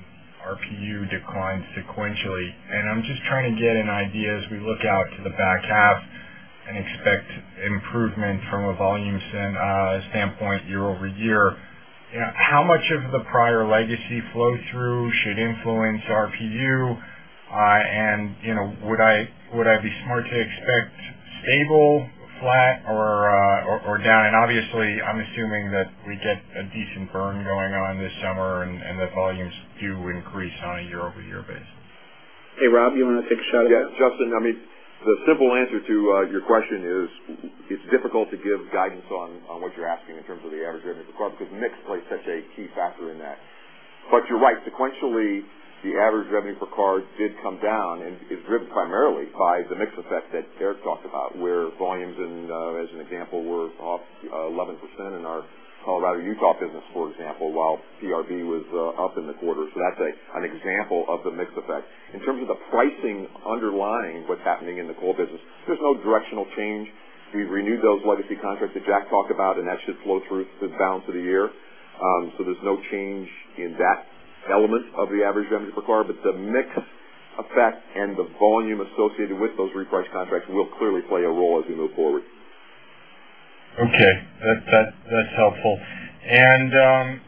Speaker 10: RPU declined sequentially. And I'm just trying to get an idea as we look out to the back half and expect improvement from a volumes and standpoint, year-over-year. How much of the prior legacy flow through should influence RPU? And, you know, would I, would I be smart to expect stable, flat, or, or down? And obviously, I'm assuming that we get a decent burn going on this summer and that volumes do increase on a year-over-year basis.
Speaker 2: Hey, Rob, you want to take a shot at that?
Speaker 5: Yeah, Justin, I mean, the simple answer to your question is, it's difficult to give guidance on what you're asking in terms of the average revenue per car, because mix plays such a key factor in that. But you're right. Sequentially, the average revenue per car did come down and is driven primarily by the mix effect that Eric talked about, where volumes and, as an example, were off 11% in our Colorado Utah business, for example, while PRB was up in the quarter. So that's an example of the mix effect. In terms of the pricing underlying what's happening in the coal business, there's no directional change. We've renewed those legacy contracts that Jack talked about, and that should flow through the balance of the year. So, there's no change in that element of the average revenue per car, but the mix effect and the volume associated with those reprice contracts will clearly play a role as we move forward.
Speaker 10: Okay, that's helpful. And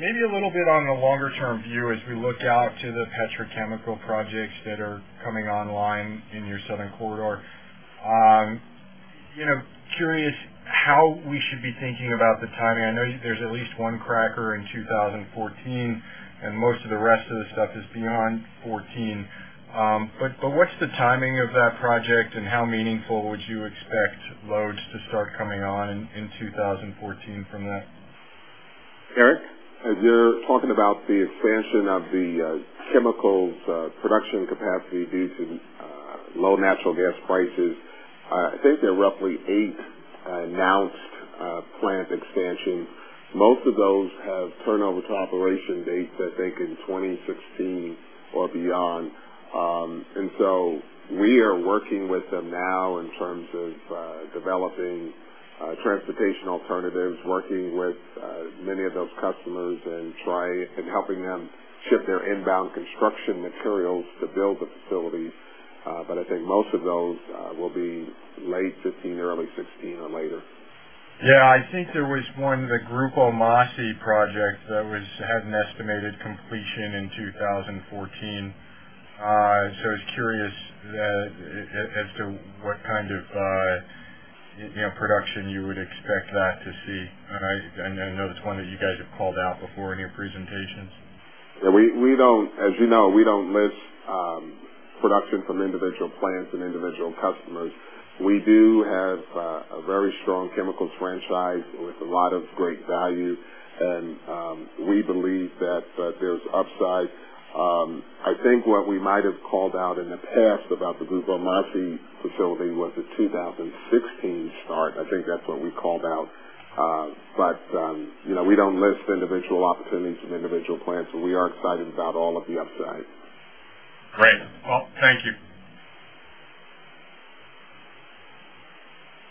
Speaker 10: maybe a little bit on a longer-term view as we look out to the petrochemical projects that are coming online in your southern corridor. You know, curious how we should be thinking about the timing. I know there's at least one cracker in 2014, and most of the rest of the stuff is beyond 2014. But what's the timing of that project, and how meaningful would you expect loads to start coming on in 2014 from that?
Speaker 2: Eric?
Speaker 3: As you're talking about the expansion of the chemicals production capacity due to low natural gas prices, I think there are roughly eight announced plant expansions. Most of those have turnover to operation dates, I think, in 2016 or beyond. And so we are working with them now in terms of developing transportation alternatives, working with many of those customers and try and helping them ship their inbound construction materials to build the facilities. But I think most of those will be late 2015, early 2016, or later.
Speaker 10: Yeah, I think there was one, the Gruppo Mossi project, that was had an estimated completion in 2014. So I was curious as to what kind of, you know, production you would expect that to see. And I know that's one that you guys have called out before in your presentations.
Speaker 3: Yeah, we don't, as you know, we don't list production from individual plants and individual customers. We do have a very strong chemicals franchise with a lot of great value, and we believe that there's upside. I think what we might have called out in the past about the Gruppo Mossi facility was a 2016 start. I think that's what we called out. But you know, we don't list individual opportunities and individual plants, so we are excited about all of the upside.
Speaker 10: Great. Well, thank you.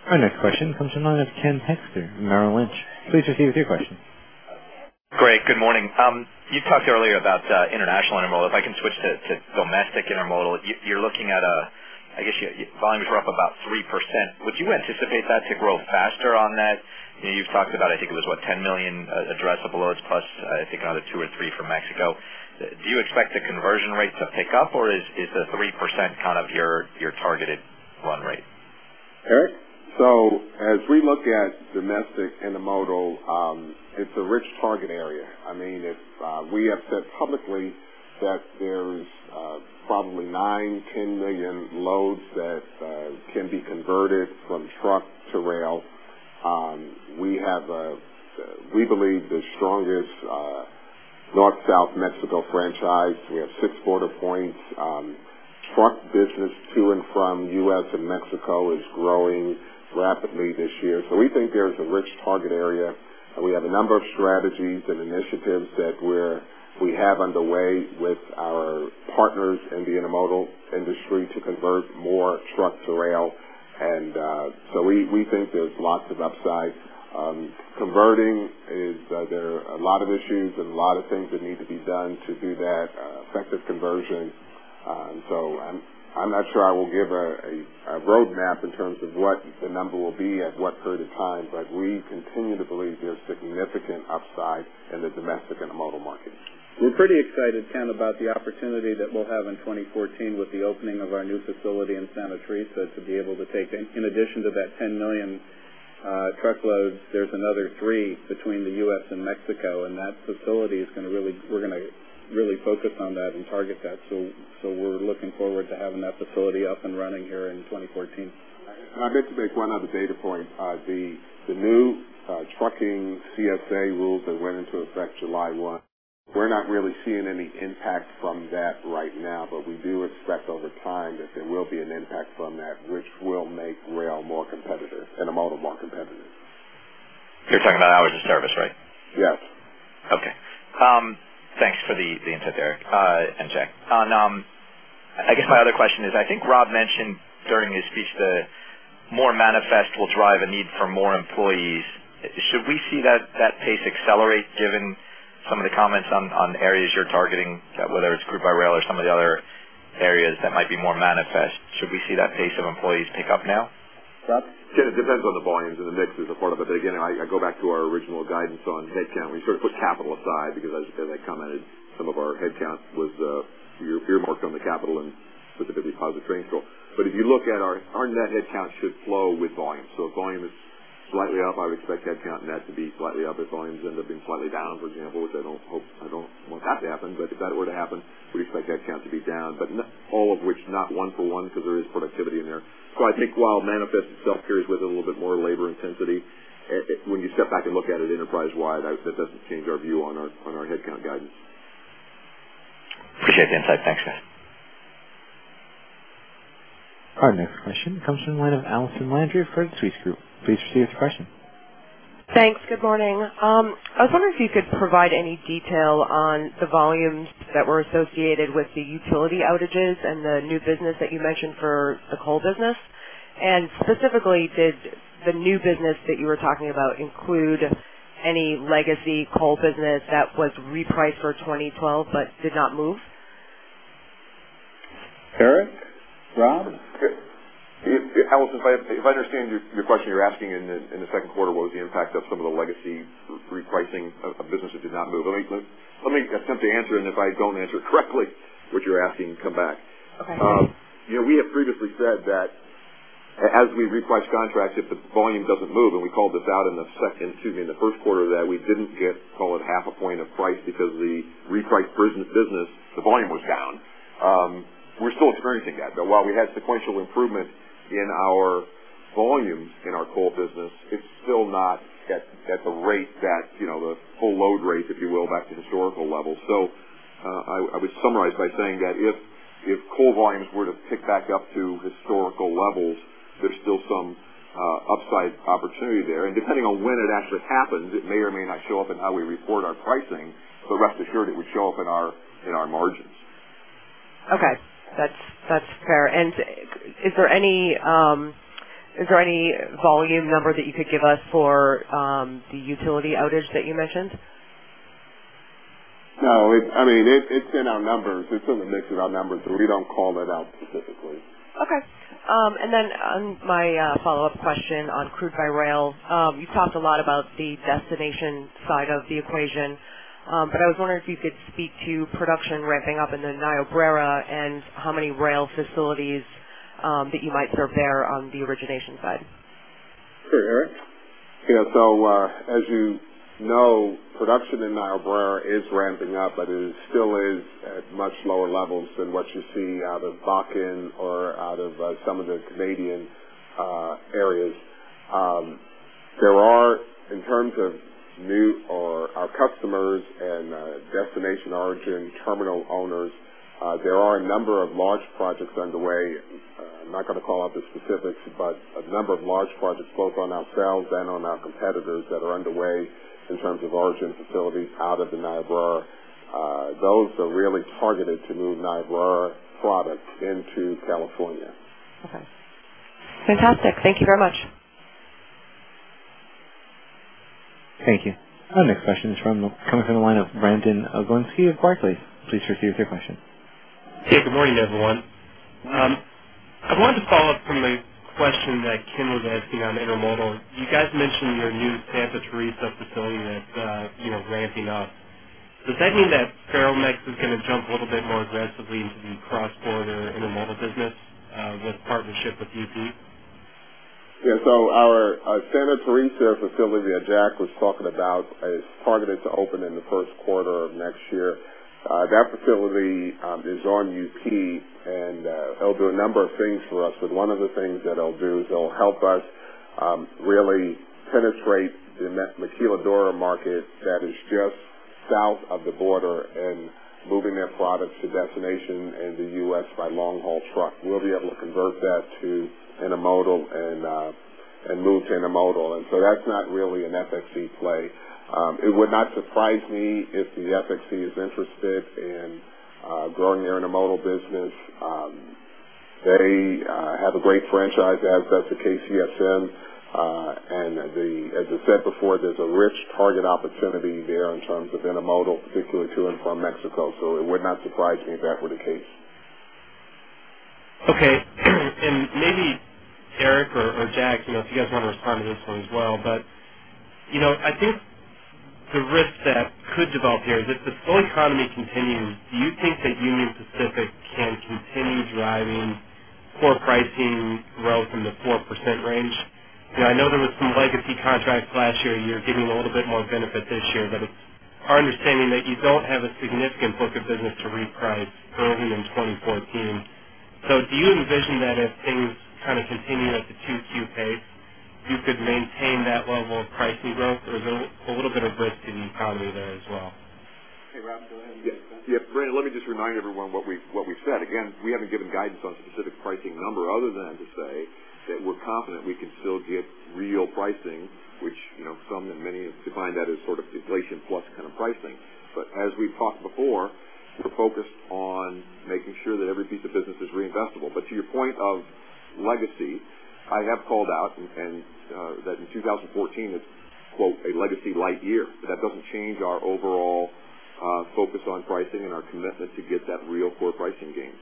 Speaker 1: Our next question comes from the line of Ken Hoexter, Merrill Lynch. Please proceed with your question.
Speaker 11: Great, good morning. You talked earlier about international intermodal. If I can switch to domestic intermodal, you're looking at, I guess, volume is up about 3%. Would you anticipate that to grow faster on that? You've talked about, I think it was, what, 10 million addressable loads plus, I think, another 2 or 3 from Mexico. Do you expect the conversion rates to pick up, or is the 3% kind of your targeted run rate?
Speaker 2: Eric?
Speaker 3: So as we look at domestic intermodal, it's a rich target area. I mean, it's, we have said publicly that there's, probably 9 million-10 million loads that, can be converted from truck to rail. We have a, we believe, the strongest, north-south Mexico franchise. We have six border points. Truck business to and from U.S. and Mexico is growing rapidly this year. So we think there's a rich target area, and we have a number of strategies and initiatives that we're, we have underway with our partners in the intermodal industry to convert more truck to rail. And, so we, we think there's lots of upside. Converting is, there are a lot of issues and a lot of things that need to be done to do that, effective conversion. So I'm not sure I will give a roadmap in terms of what the number will be at what period of time, but we continue to believe there's significant upside in the domestic intermodal market.
Speaker 2: We're pretty excited, Ken, about the opportunity that we'll have in 2014 with the opening of our new facility in Santa Teresa, to be able to take in, in addition to that 10 million truckloads, there's another 3 between the U.S. and Mexico, and that facility is gonna really—We're gonna really focus on that and target that. So, so we're looking forward to having that facility up and running here in 2014.
Speaker 3: I'd like to make one other data point. The new trucking CSA rules that went into effect July 1, we're not really seeing any impact from that right now, but we do expect over time that there will be an impact from that, which will make rail more competitive, intermodal more competitive.
Speaker 11: You're talking about hours of service, right?
Speaker 3: Yes.
Speaker 11: Okay. Thanks for the insight there, and Jack. I guess my other question is, I think Rob mentioned during his speech that more manifest will drive a need for more employees. Should we see that pace accelerate, given some of the comments on areas you're targeting, whether it's crude by rail or some of the other areas that might be more manifest? Should we see that pace of employees pick up now?
Speaker 2: Rob?
Speaker 5: Yeah, it depends on the volumes and the mix is a part of it. But again, I, I go back to our original guidance on headcount. We sort of put capital aside because as I commented, some of our headcount was earmarked on the capital and specifically Positive Train Control. But if you look at our, our net headcount should flow with volume. So if volume is slightly up, I would expect headcount net to be slightly up. If volumes end up being slightly down, for example, which I don't hope, I don't want that to happen, but if that were to happen, we expect headcount to be down, but not, all of which not one for one, because there is productivity in there. So I think while manifest itself carries with it a little bit more labor intensity, when you step back and look at it enterprise-wide, that, that doesn't change our view on our, on our headcount guidance.
Speaker 11: Appreciate the insight. Thanks, guys.
Speaker 1: Our next question comes from the line of Allison Landry of Credit Suisse Group. Please proceed with your question.
Speaker 12: Thanks. Good morning. I was wondering if you could provide any detail on the volumes that were associated with the utility outages and the new business that you mentioned for the coal business? Specifically, did the new business that you were talking about include any legacy coal business that was repriced for 2012 but did not move?
Speaker 2: Eric, Rob?
Speaker 5: Okay. Allison, if I, if I understand your, your question, you're asking in the, in the second quarter, what was the impact of some of the legacy repricing of, of business that did not move? Let me, let me attempt to answer, and if I don't answer correctly, what you're asking, come back.
Speaker 12: Okay.
Speaker 5: You know, we have previously said that as we reprice contracts, if the volume doesn't move, and we called this out in the second, excuse me, in the first quarter, that we didn't get, call it, 0.5 point of price because the repriced business, the volume was down. We're still experiencing that. But while we had sequential improvement in our volumes in our coal business, it's still not at the rate that, you know, the full load rate, if you will, back to historical levels. So, I would summarize by saying that if coal volumes were to pick back up to historical levels, there's still some upside opportunity there. Depending on when it actually happens, it may or may not show up in how we report our pricing, but rest assured it would show up in our, in our margins.
Speaker 12: Okay. That's, that's fair. And is there any volume number that you could give us for the utility outage that you mentioned?
Speaker 3: No, I mean, it's in our numbers. It's in the mix of our numbers, but we don't call it out specifically.
Speaker 12: Okay. And then on my follow-up question on crude by rail. You talked a lot about the destination side of the equation, but I was wondering if you could speak to production ramping up in the Niobrara and how many rail facilities that you might serve there on the origination side?
Speaker 2: Okay, Eric?
Speaker 3: Yeah. So, as you know, production in Niobrara is ramping up, but it still is at much lower levels than what you're seeing out of Bakken or out of some of the Canadian areas. There are, in terms of new or our customers and destination origin, terminal owners, there are a number of large projects underway. I'm not going to call out the specifics, but a number of large projects, both on ourselves and on our competitors, that are underway in terms of origin facilities out of the Niobrara. Those are really targeted to move Niobrara products into California.
Speaker 12: Okay. Fantastic. Thank you very much.
Speaker 1: Thank you. Our next question is from, coming from the line of Brandon Oglenski of Barclays. Please proceed with your question.
Speaker 13: Hey, good morning, everyone. I wanted to follow up from a question that Ken was asking on intermodal. You guys mentioned your new Santa Teresa facility that, you know, ramping up. Does that mean that Ferromex is going to jump a little bit more aggressively into the cross-border intermodal business, with partnership with UP?
Speaker 3: Yeah, so our Santa Teresa facility that Jack was talking about is targeted to open in the first quarter of next year. That facility is on UP, and it'll do a number of things for us. But one of the things that it'll do is it'll help us really penetrate the maquiladora market that is just south of the border and moving their products to destination in the U.S. by long-haul truck. We'll be able to convert that to intermodal and move to intermodal. And so that's not really an FXE play. It would not surprise me if the FXE is interested in growing their intermodal business. They have a great franchise as does the KCSM. As I said before, there's a rich target opportunity there in terms of intermodal, particularly to and from Mexico, so it would not surprise me if that were the case.
Speaker 13: Okay, and maybe Eric or Jack, you know, if you guys want to respond to this one as well, but, you know, I think the risk that could develop here is if the slow economy continues, do you think that Union Pacific can continue driving poor pricing growth in the 4% range? You know, I know there was some legacy contracts last year. You're getting a little bit more benefit this year, but it's our understanding that you don't have a significant book of business to reprice going into 2014. So do you envision that if things kind of continue at the 2Q pace, you could maintain that level of pricing growth, or is there a little bit of risk to the economy there as well?
Speaker 2: Hey, Rob, go ahead.
Speaker 5: Yeah, yeah. Brandon, let me just remind everyone what we, what we've said. Again, we haven't given guidance on specific pricing number other than to say that we're confident we can still get real pricing, which, you know, some and many define that as sort of inflation plus kind of pricing. But as we've talked before, we're focused on making sure that every piece of business is reinvestable. But to your point of legacy, I have called out and that in 2014, it's, quote, "A legacy-light year." That doesn't change our overall focus on pricing and our commitment to get that real core pricing gain.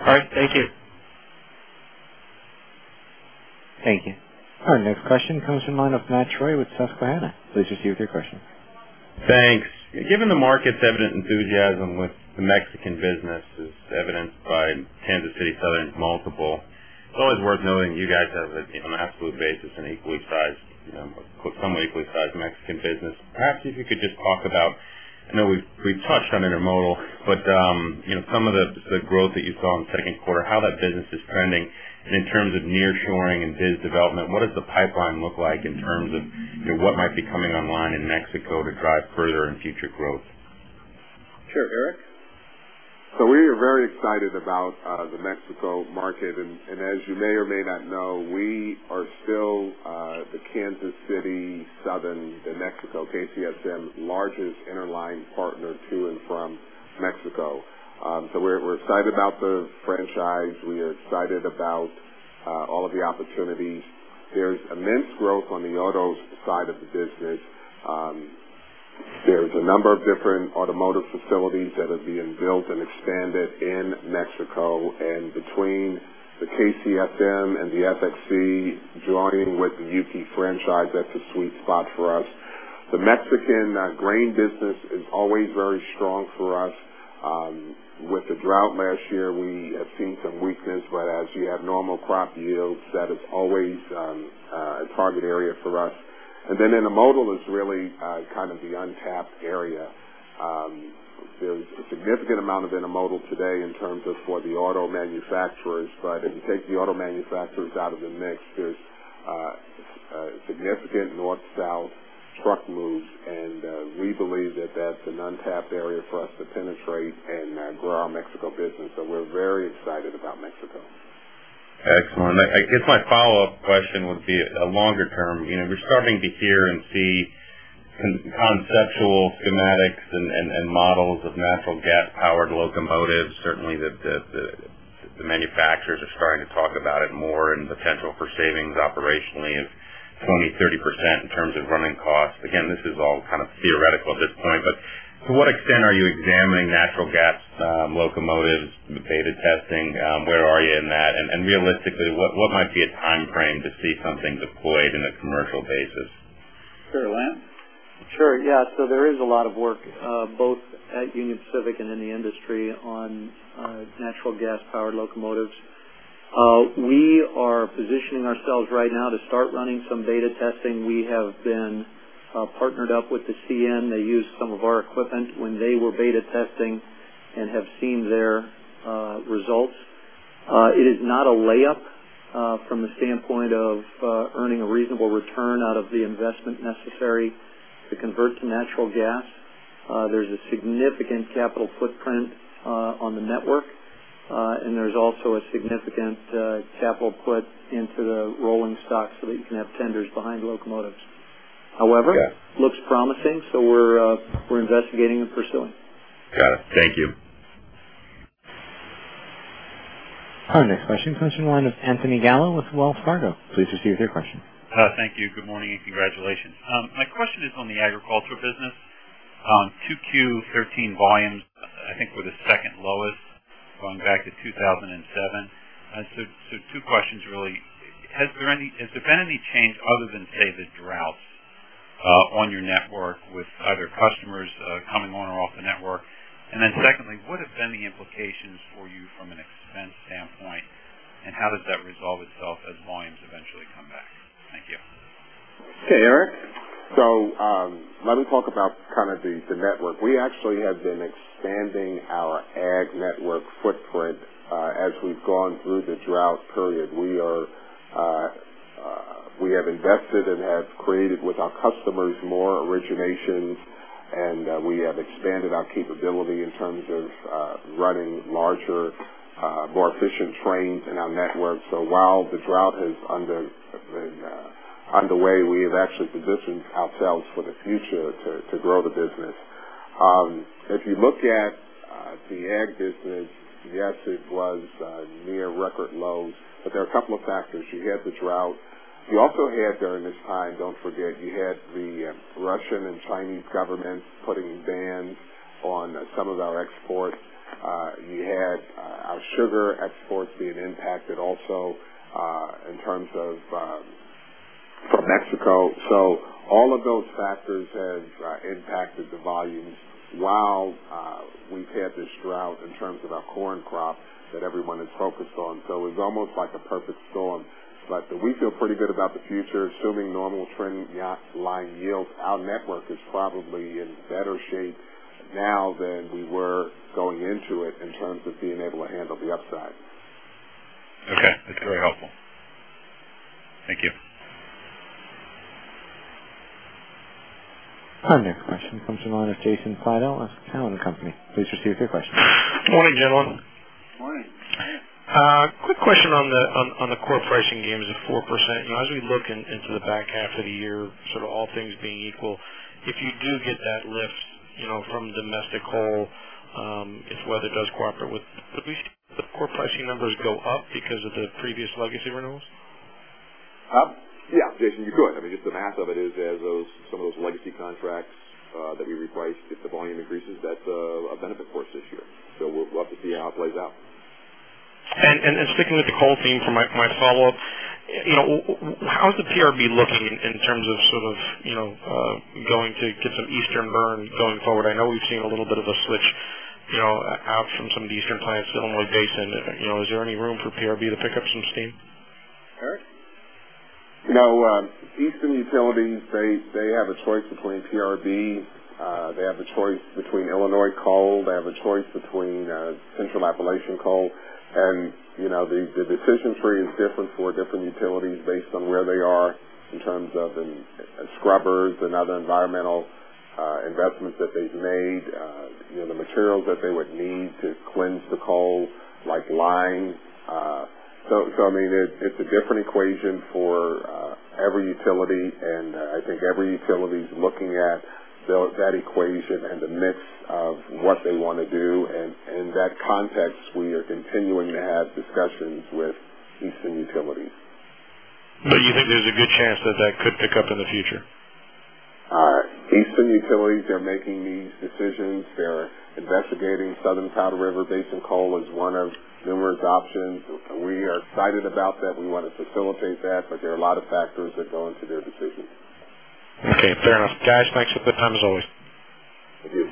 Speaker 13: All right. Thank you.
Speaker 1: Thank you. All right, next question comes from the line of Matt Troy, with Susquehanna. Please just give your question.
Speaker 14: Thanks. Given the market's evident enthusiasm with the Mexican business, as evidenced by Kansas City Southern multiple, it's always worth knowing you guys have, on an absolute basis, an equally sized, you know, somewhat equally sized Mexican business. Perhaps if you could just talk about. I know we've, we've touched on intermodal, but, you know, some of the, the growth that you saw in the second quarter, how that business is trending. And in terms of nearshoring and biz development, what does the pipeline look like in terms of, you know, what might be coming online in Mexico to drive further and future growth?
Speaker 2: Sure, Eric?
Speaker 3: So we are very excited about the Mexico market, and as you may or may not know, we are still the Kansas City Southern de Mexico, KCSM, largest interline partner to and from Mexico. So we're excited about the franchise. We are excited about all of the opportunities. There's immense growth on the autos side of the business. There's a number of different automotive facilities that are being built and expanded in Mexico, and between the KCSM and the FXE joining with the UP franchise, that's a sweet spot for us. The Mexican grain business is always very strong for us. With the drought last year, we have seen some weakness, but as you have normal crop yields, that is always a target area for us. And then intermodal is really kind of the untapped area. There's a significant amount of intermodal today in terms of for the auto manufacturers, but if you take the auto manufacturers out of the mix, there's significant north-south truck moves, and we believe that that's an untapped area for us to penetrate and grow our Mexico business. So we're very excited about Mexico.
Speaker 14: Excellent. I guess my follow-up question would be a longer term. You know, we're starting to hear and see conceptual schematics and models of natural gas-powered locomotives. Certainly, the manufacturers are starting to talk about it more and the potential for savings operationally of 20%-30% in terms of running costs. Again, this is all kind of theoretical at this point, but to what extent are you examining natural gas locomotives, the beta testing? Where are you in that? And realistically, what might be a timeframe to see something deployed on a commercial basis?
Speaker 2: Sure, Lance?
Speaker 4: Sure. Yeah. So there is a lot of work both at Union Pacific and in the industry on natural gas-powered locomotives. We are positioning ourselves right now to start running some beta testing. We have been partnered up with the CN. They used some of our equipment when they were beta testing and have seen their results. It is not a lay-up from the standpoint of earning a reasonable return out of the investment necessary to convert to natural gas. There's a significant capital footprint on the network, and there's also a significant capital put into the rolling stock so that you can have tenders behind locomotives.
Speaker 14: Got it.
Speaker 4: However, it looks promising, so we're investigating and pursuing.
Speaker 14: Got it. Thank you.
Speaker 1: Our next question comes from the line of Anthony Gallo with Wells Fargo. Please proceed with your question.
Speaker 15: Thank you. Good morning, and congratulations. My question is on the agricultural business. 2Q13 volumes, I think, were the second lowest, going back to 2007. And so, two questions, really. Has there been any change other than, say, the droughts, on your network with either customers coming on or off the network? And then secondly, what have been the implications for you from an expense standpoint, and how does that resolve itself as volumes eventually come back? Thank you.
Speaker 2: Hey, Eric.
Speaker 3: So, let me talk about kind of the network. We actually have been expanding our ag network footprint as we've gone through the drought period. We have invested and have created with our customers more originations, and we have expanded our capability in terms of running larger more efficient trains in our network. So while the drought has been underway, we have actually positioned ourselves for the future to grow the business. If you look at the ag business, yes, it was near record lows, but there are a couple of factors. You had the drought. You also had, during this time, don't forget, you had the Russian and Chinese governments putting bans on some of our exports. You had our sugar exports being impacted also, in terms of from Mexico. So all of those factors have impacted the volumes while we've had this drought in terms of our corn crop that everyone is focused on. So it's almost like a perfect storm. But we feel pretty good about the future, assuming normal trend line yields. Our network is probably in better shape now than we were going into it in terms of being able to handle the upside.
Speaker 15: Okay, that's very helpful. Thank you.
Speaker 1: Our next question comes from the line of Jason Seidl with Cowen and Company. Please proceed with your question.
Speaker 16: Good morning, gentlemen.
Speaker 3: Morning.
Speaker 16: Quick question on the core pricing gain is at 4%. And as we look into the back half of the year, sort of all things being equal, if you do get that lift, you know, from domestic coal, if weather does cooperate, would we see the core pricing numbers go up because of the previous legacy renewals?
Speaker 5: Yeah, Jason, you could. I mean, just the math of it is, as those, some of those legacy contracts that we repriced, if the volume increases, that's a benefit for us this year. So we'll love to see how it plays out.
Speaker 16: Sticking with the coal theme for my follow-up, you know, how's the PRB looking in terms of sort of, you know, going to get some Eastern burn going forward? I know we've seen a little bit of a switch, you know, out from some of the Eastern clients to Illinois Basin. You know, is there any room for PRB to pick up some steam?
Speaker 2: Eric?
Speaker 3: You know, Eastern Utilities, they have a choice between PRB, they have a choice between Illinois Coal, they have a choice between Central Appalachian Coal. And, you know, the decision tree is different for different utilities based on where they are in terms of the scrubbers and other environmental investments that they've made, you know, the materials that they would need to cleanse the coal, like lime. So I mean, it's a different equation for every utility, and I think every utility is looking at that equation and the mix of what they want to do. And in that context, we are continuing to have discussions with Eastern Utilities.
Speaker 16: But you think there's a good chance that that could pick up in the future?
Speaker 3: Eastern Utilities, they're making these decisions. They're investigating Southern Powder River Basin coal as one of numerous options. We are excited about that. We want to facilitate that, but there are a lot of factors that go into their decision.
Speaker 16: Okay, fair enough. Guys, thanks for the time, as always.
Speaker 3: Thank you.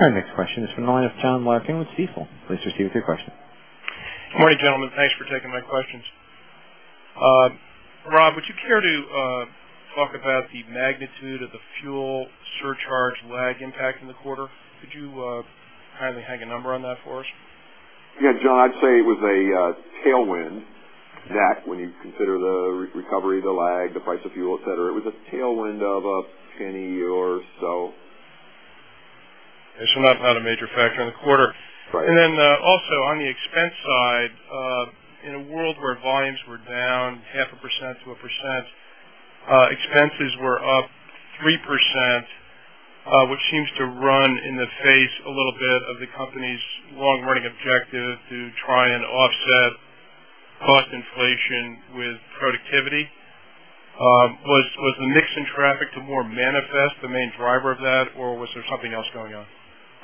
Speaker 1: Our next question is from the line of John Larkin with Stifel. Please proceed with your question.
Speaker 17: Good morning, gentlemen. Thanks for taking my questions. Rob, would you care to talk about the magnitude of the fuel surcharge lag impact in the quarter? Could you kindly hang a number on that for us?
Speaker 5: Yeah, John, I'd say it was a tailwind that, when you consider the recovery, the lag, the price of fuel, et cetera, et cetera, it was a tailwind of a penny or so.
Speaker 17: Not a major factor in the quarter?
Speaker 5: Right.
Speaker 17: And then, also on the expense side, in a world where volumes were down 0.5%-1%, expenses were up 3%, which seems to run in the face a little bit of the company's long-running objective to try and offset cost inflation with productivity. Was the mix in traffic to more manifest the main driver of that, or was there something else going on?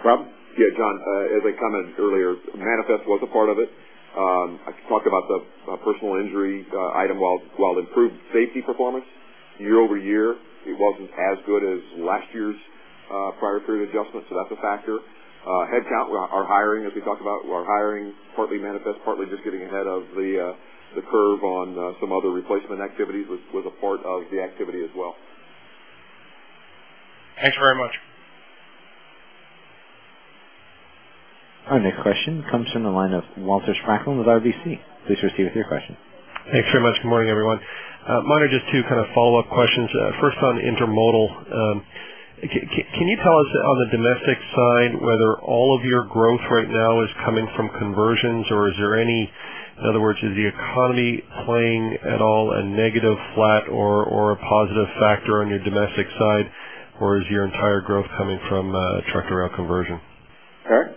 Speaker 2: Rob?
Speaker 5: Yeah, John, as I commented earlier, manifest was a part of it. I talked about the personal injury item while, while improved safety performance year-over-year, it wasn't as good as last year's prior period adjustment. So that's a factor. Headcount, we are hiring, as we talked about, we are hiring partly manifest, partly just getting ahead of the curve on some other replacement activities was a part of the activity as well.
Speaker 17: Thanks very much.
Speaker 1: Our next question comes from the line of Walter Spracklin with RBC. Please proceed with your question.
Speaker 18: Thanks very much. Good morning, everyone. Mine are just two kind of follow-up questions. First on intermodal. Can you tell us on the domestic side, whether all of your growth right now is coming from conversions, or is there any—In other words, is the economy playing at all a negative, flat, or a positive factor on your domestic side? Or is your entire growth coming from truck-to-rail conversion?
Speaker 3: Okay.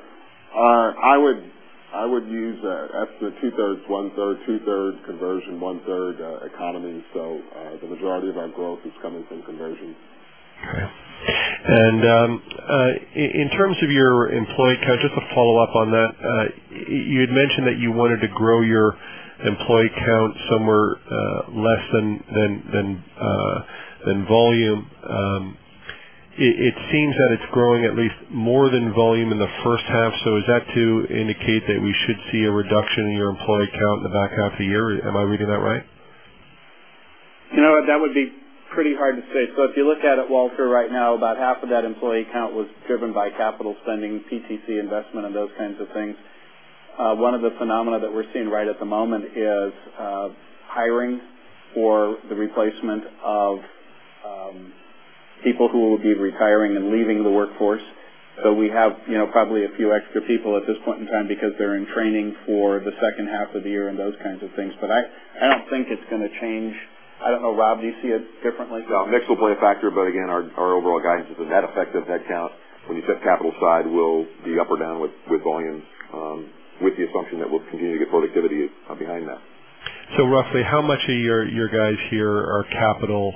Speaker 3: I would use estimate 2/3, 1/3, 2/3 conversion, 1/3 economy. So, the majority of our growth is coming from conversions.
Speaker 18: Okay. And in terms of your employee count, just a follow-up on that. You had mentioned that you wanted to grow your employee count somewhere less than volume. It seems that it's growing at least more than volume in the first half. So is that to indicate that we should see a reduction in your employee count in the back half of the year? Am I reading that right?
Speaker 4: You know what? That would be pretty hard to say. So if you look at it, Walter, right now, about half of that employee count was driven by capital spending, PTC investment, and those kinds of things. One of the phenomena that we're seeing right at the moment is hiring for the replacement of people who will be retiring and leaving the workforce. So we have, you know, probably a few extra people at this point in time because they're in training for the second half of the year and those kinds of things. But I, I don't think it's gonna change. I don't know, Rob, do you see it differently?
Speaker 5: No, mix will play a factor, but again, our, our overall guidance is a net effect of headcount. When you said capital side, we'll be up or down with, with volumes, with the assumption that we'll continue to get productivity, behind that.
Speaker 18: So roughly how much of your guys here are capital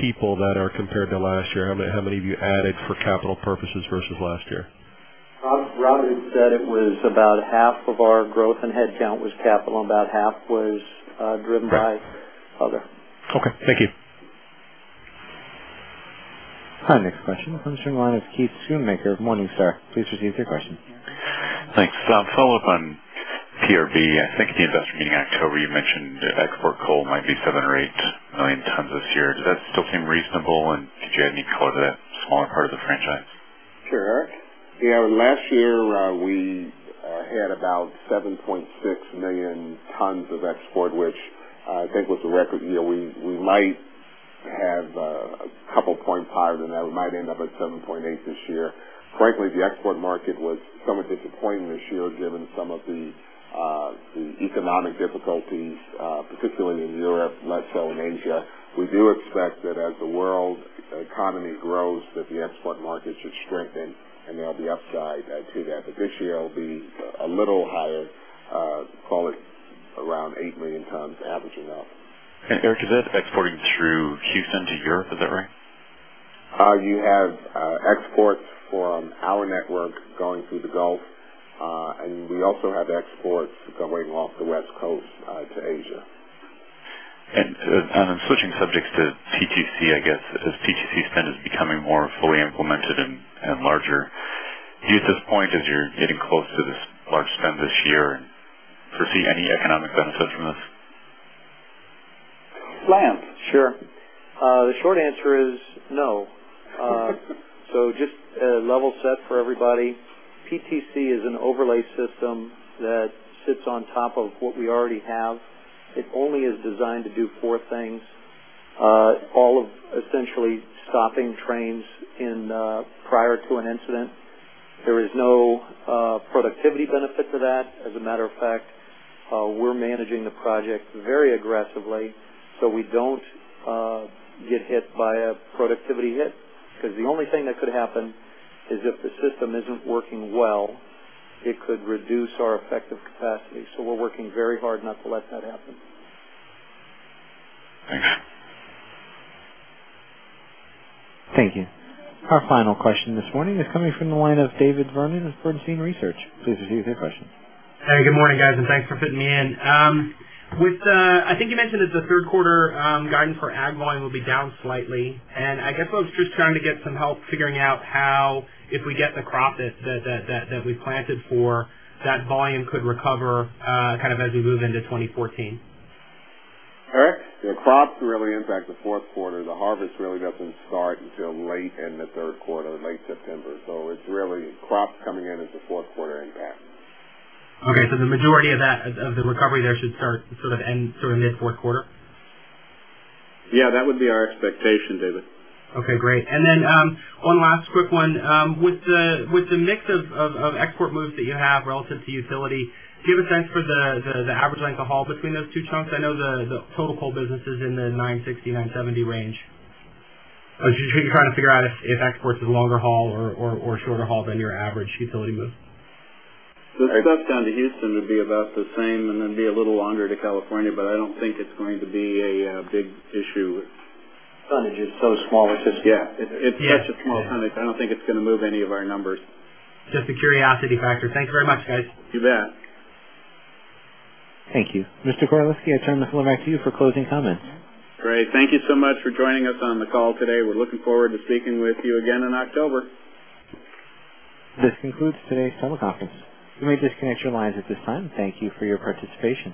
Speaker 18: people that are compared to last year? How many have you added for capital purposes versus last year?
Speaker 4: Rob had said it was about half of our growth in headcount was capital, and about half was driven by-
Speaker 18: Okay.
Speaker 4: Okay.
Speaker 18: Okay, thank you.
Speaker 1: Hi, next question. On the line is Keith Schoonmaker. Good morning, sir. Please proceed with your question.
Speaker 19: Thanks. So a follow-up on PRB. I think at the investor meeting in October, you mentioned that export coal might be 7 million or 8 million tons this year. Does that still seem reasonable, and did you have any call it a smaller part of the franchise?
Speaker 3: Sure. Yeah, last year, we had about 7.6 million tons of export, which I think was a record year. We might have a couple points higher than that. We might end up at 7.8 million this year. Frankly, the export market was somewhat disappointing this year, given some of the economic difficulties, particularly in Europe, less so in Asia. We do expect that as the world economy grows, that the export market should strengthen and there'll be upside to that. But this year it'll be a little higher, call it around 8 million tons, averaging out.
Speaker 19: Eric, is that exporting through Houston to Europe, is that right?
Speaker 3: You have exports from our network going through the Gulf, and we also have exports going off the West Coast to Asia.
Speaker 19: And I'm switching subjects to PTC. I guess as PTC spend is becoming more fully implemented and larger, do you, at this point, as you're getting close to this large spend this year, foresee any economic benefit from this?
Speaker 4: Sure. The short answer is no. So just a level set for everybody. PTC is an overlay system that sits on top of what we already have. It only is designed to do four things, all of essentially stopping trains in prior to an incident. There is no productivity benefit to that. As a matter of fact, we're managing the project very aggressively, so we don't get hit by a productivity hit. Because the only thing that could happen is if the system isn't working well, it could reduce our effective capacity. So we're working very hard not to let that happen.
Speaker 19: Thanks.
Speaker 1: Thank you. Our final question this morning is coming from the line of David Vernon of Bernstein Research. Please proceed with your question.
Speaker 20: Hey, good morning, guys, and thanks for fitting me in. I think you mentioned that the third quarter guidance for ag volume will be down slightly. And I guess I was just trying to get some help figuring out how, if we get the crop that we planted for, that volume could recover, kind of as we move into 2014.
Speaker 3: Okay. The crops really impact the fourth quarter. The harvest really doesn't start until late in the third quarter, late September. So it's really crops coming in as a fourth quarter impact.
Speaker 20: Okay, so the majority of that, of the recovery there should start sort of mid fourth quarter?
Speaker 3: Yeah, that would be our expectation, David.
Speaker 20: Okay, great. And then, one last quick one. With the mix of export moves that you have relative to utility, do you have a sense for the average length of haul between those two chunks? I know the total coal business is in the 960-970 range. But just trying to figure out if exports is longer haul or shorter haul than your average utility move.
Speaker 4: The stuff down to Houston would be about the same and then be a little longer to California, but I don't think it's going to be a big issue. Tonnage is so small, it's just-
Speaker 20: Yeah,...
Speaker 4: it's such a small tonnage. I don't think it's gonna move any of our numbers.
Speaker 20: Just a curiosity factor. Thank you very much, guys.
Speaker 4: You bet.
Speaker 1: Thank you. Mr. Koraleski, I turn the call back to you for closing comments.
Speaker 2: Great. Thank you so much for joining us on the call today. We're looking forward to speaking with you again in October.
Speaker 1: This concludes today's teleconference. You may disconnect your lines at this time. Thank you for your participation.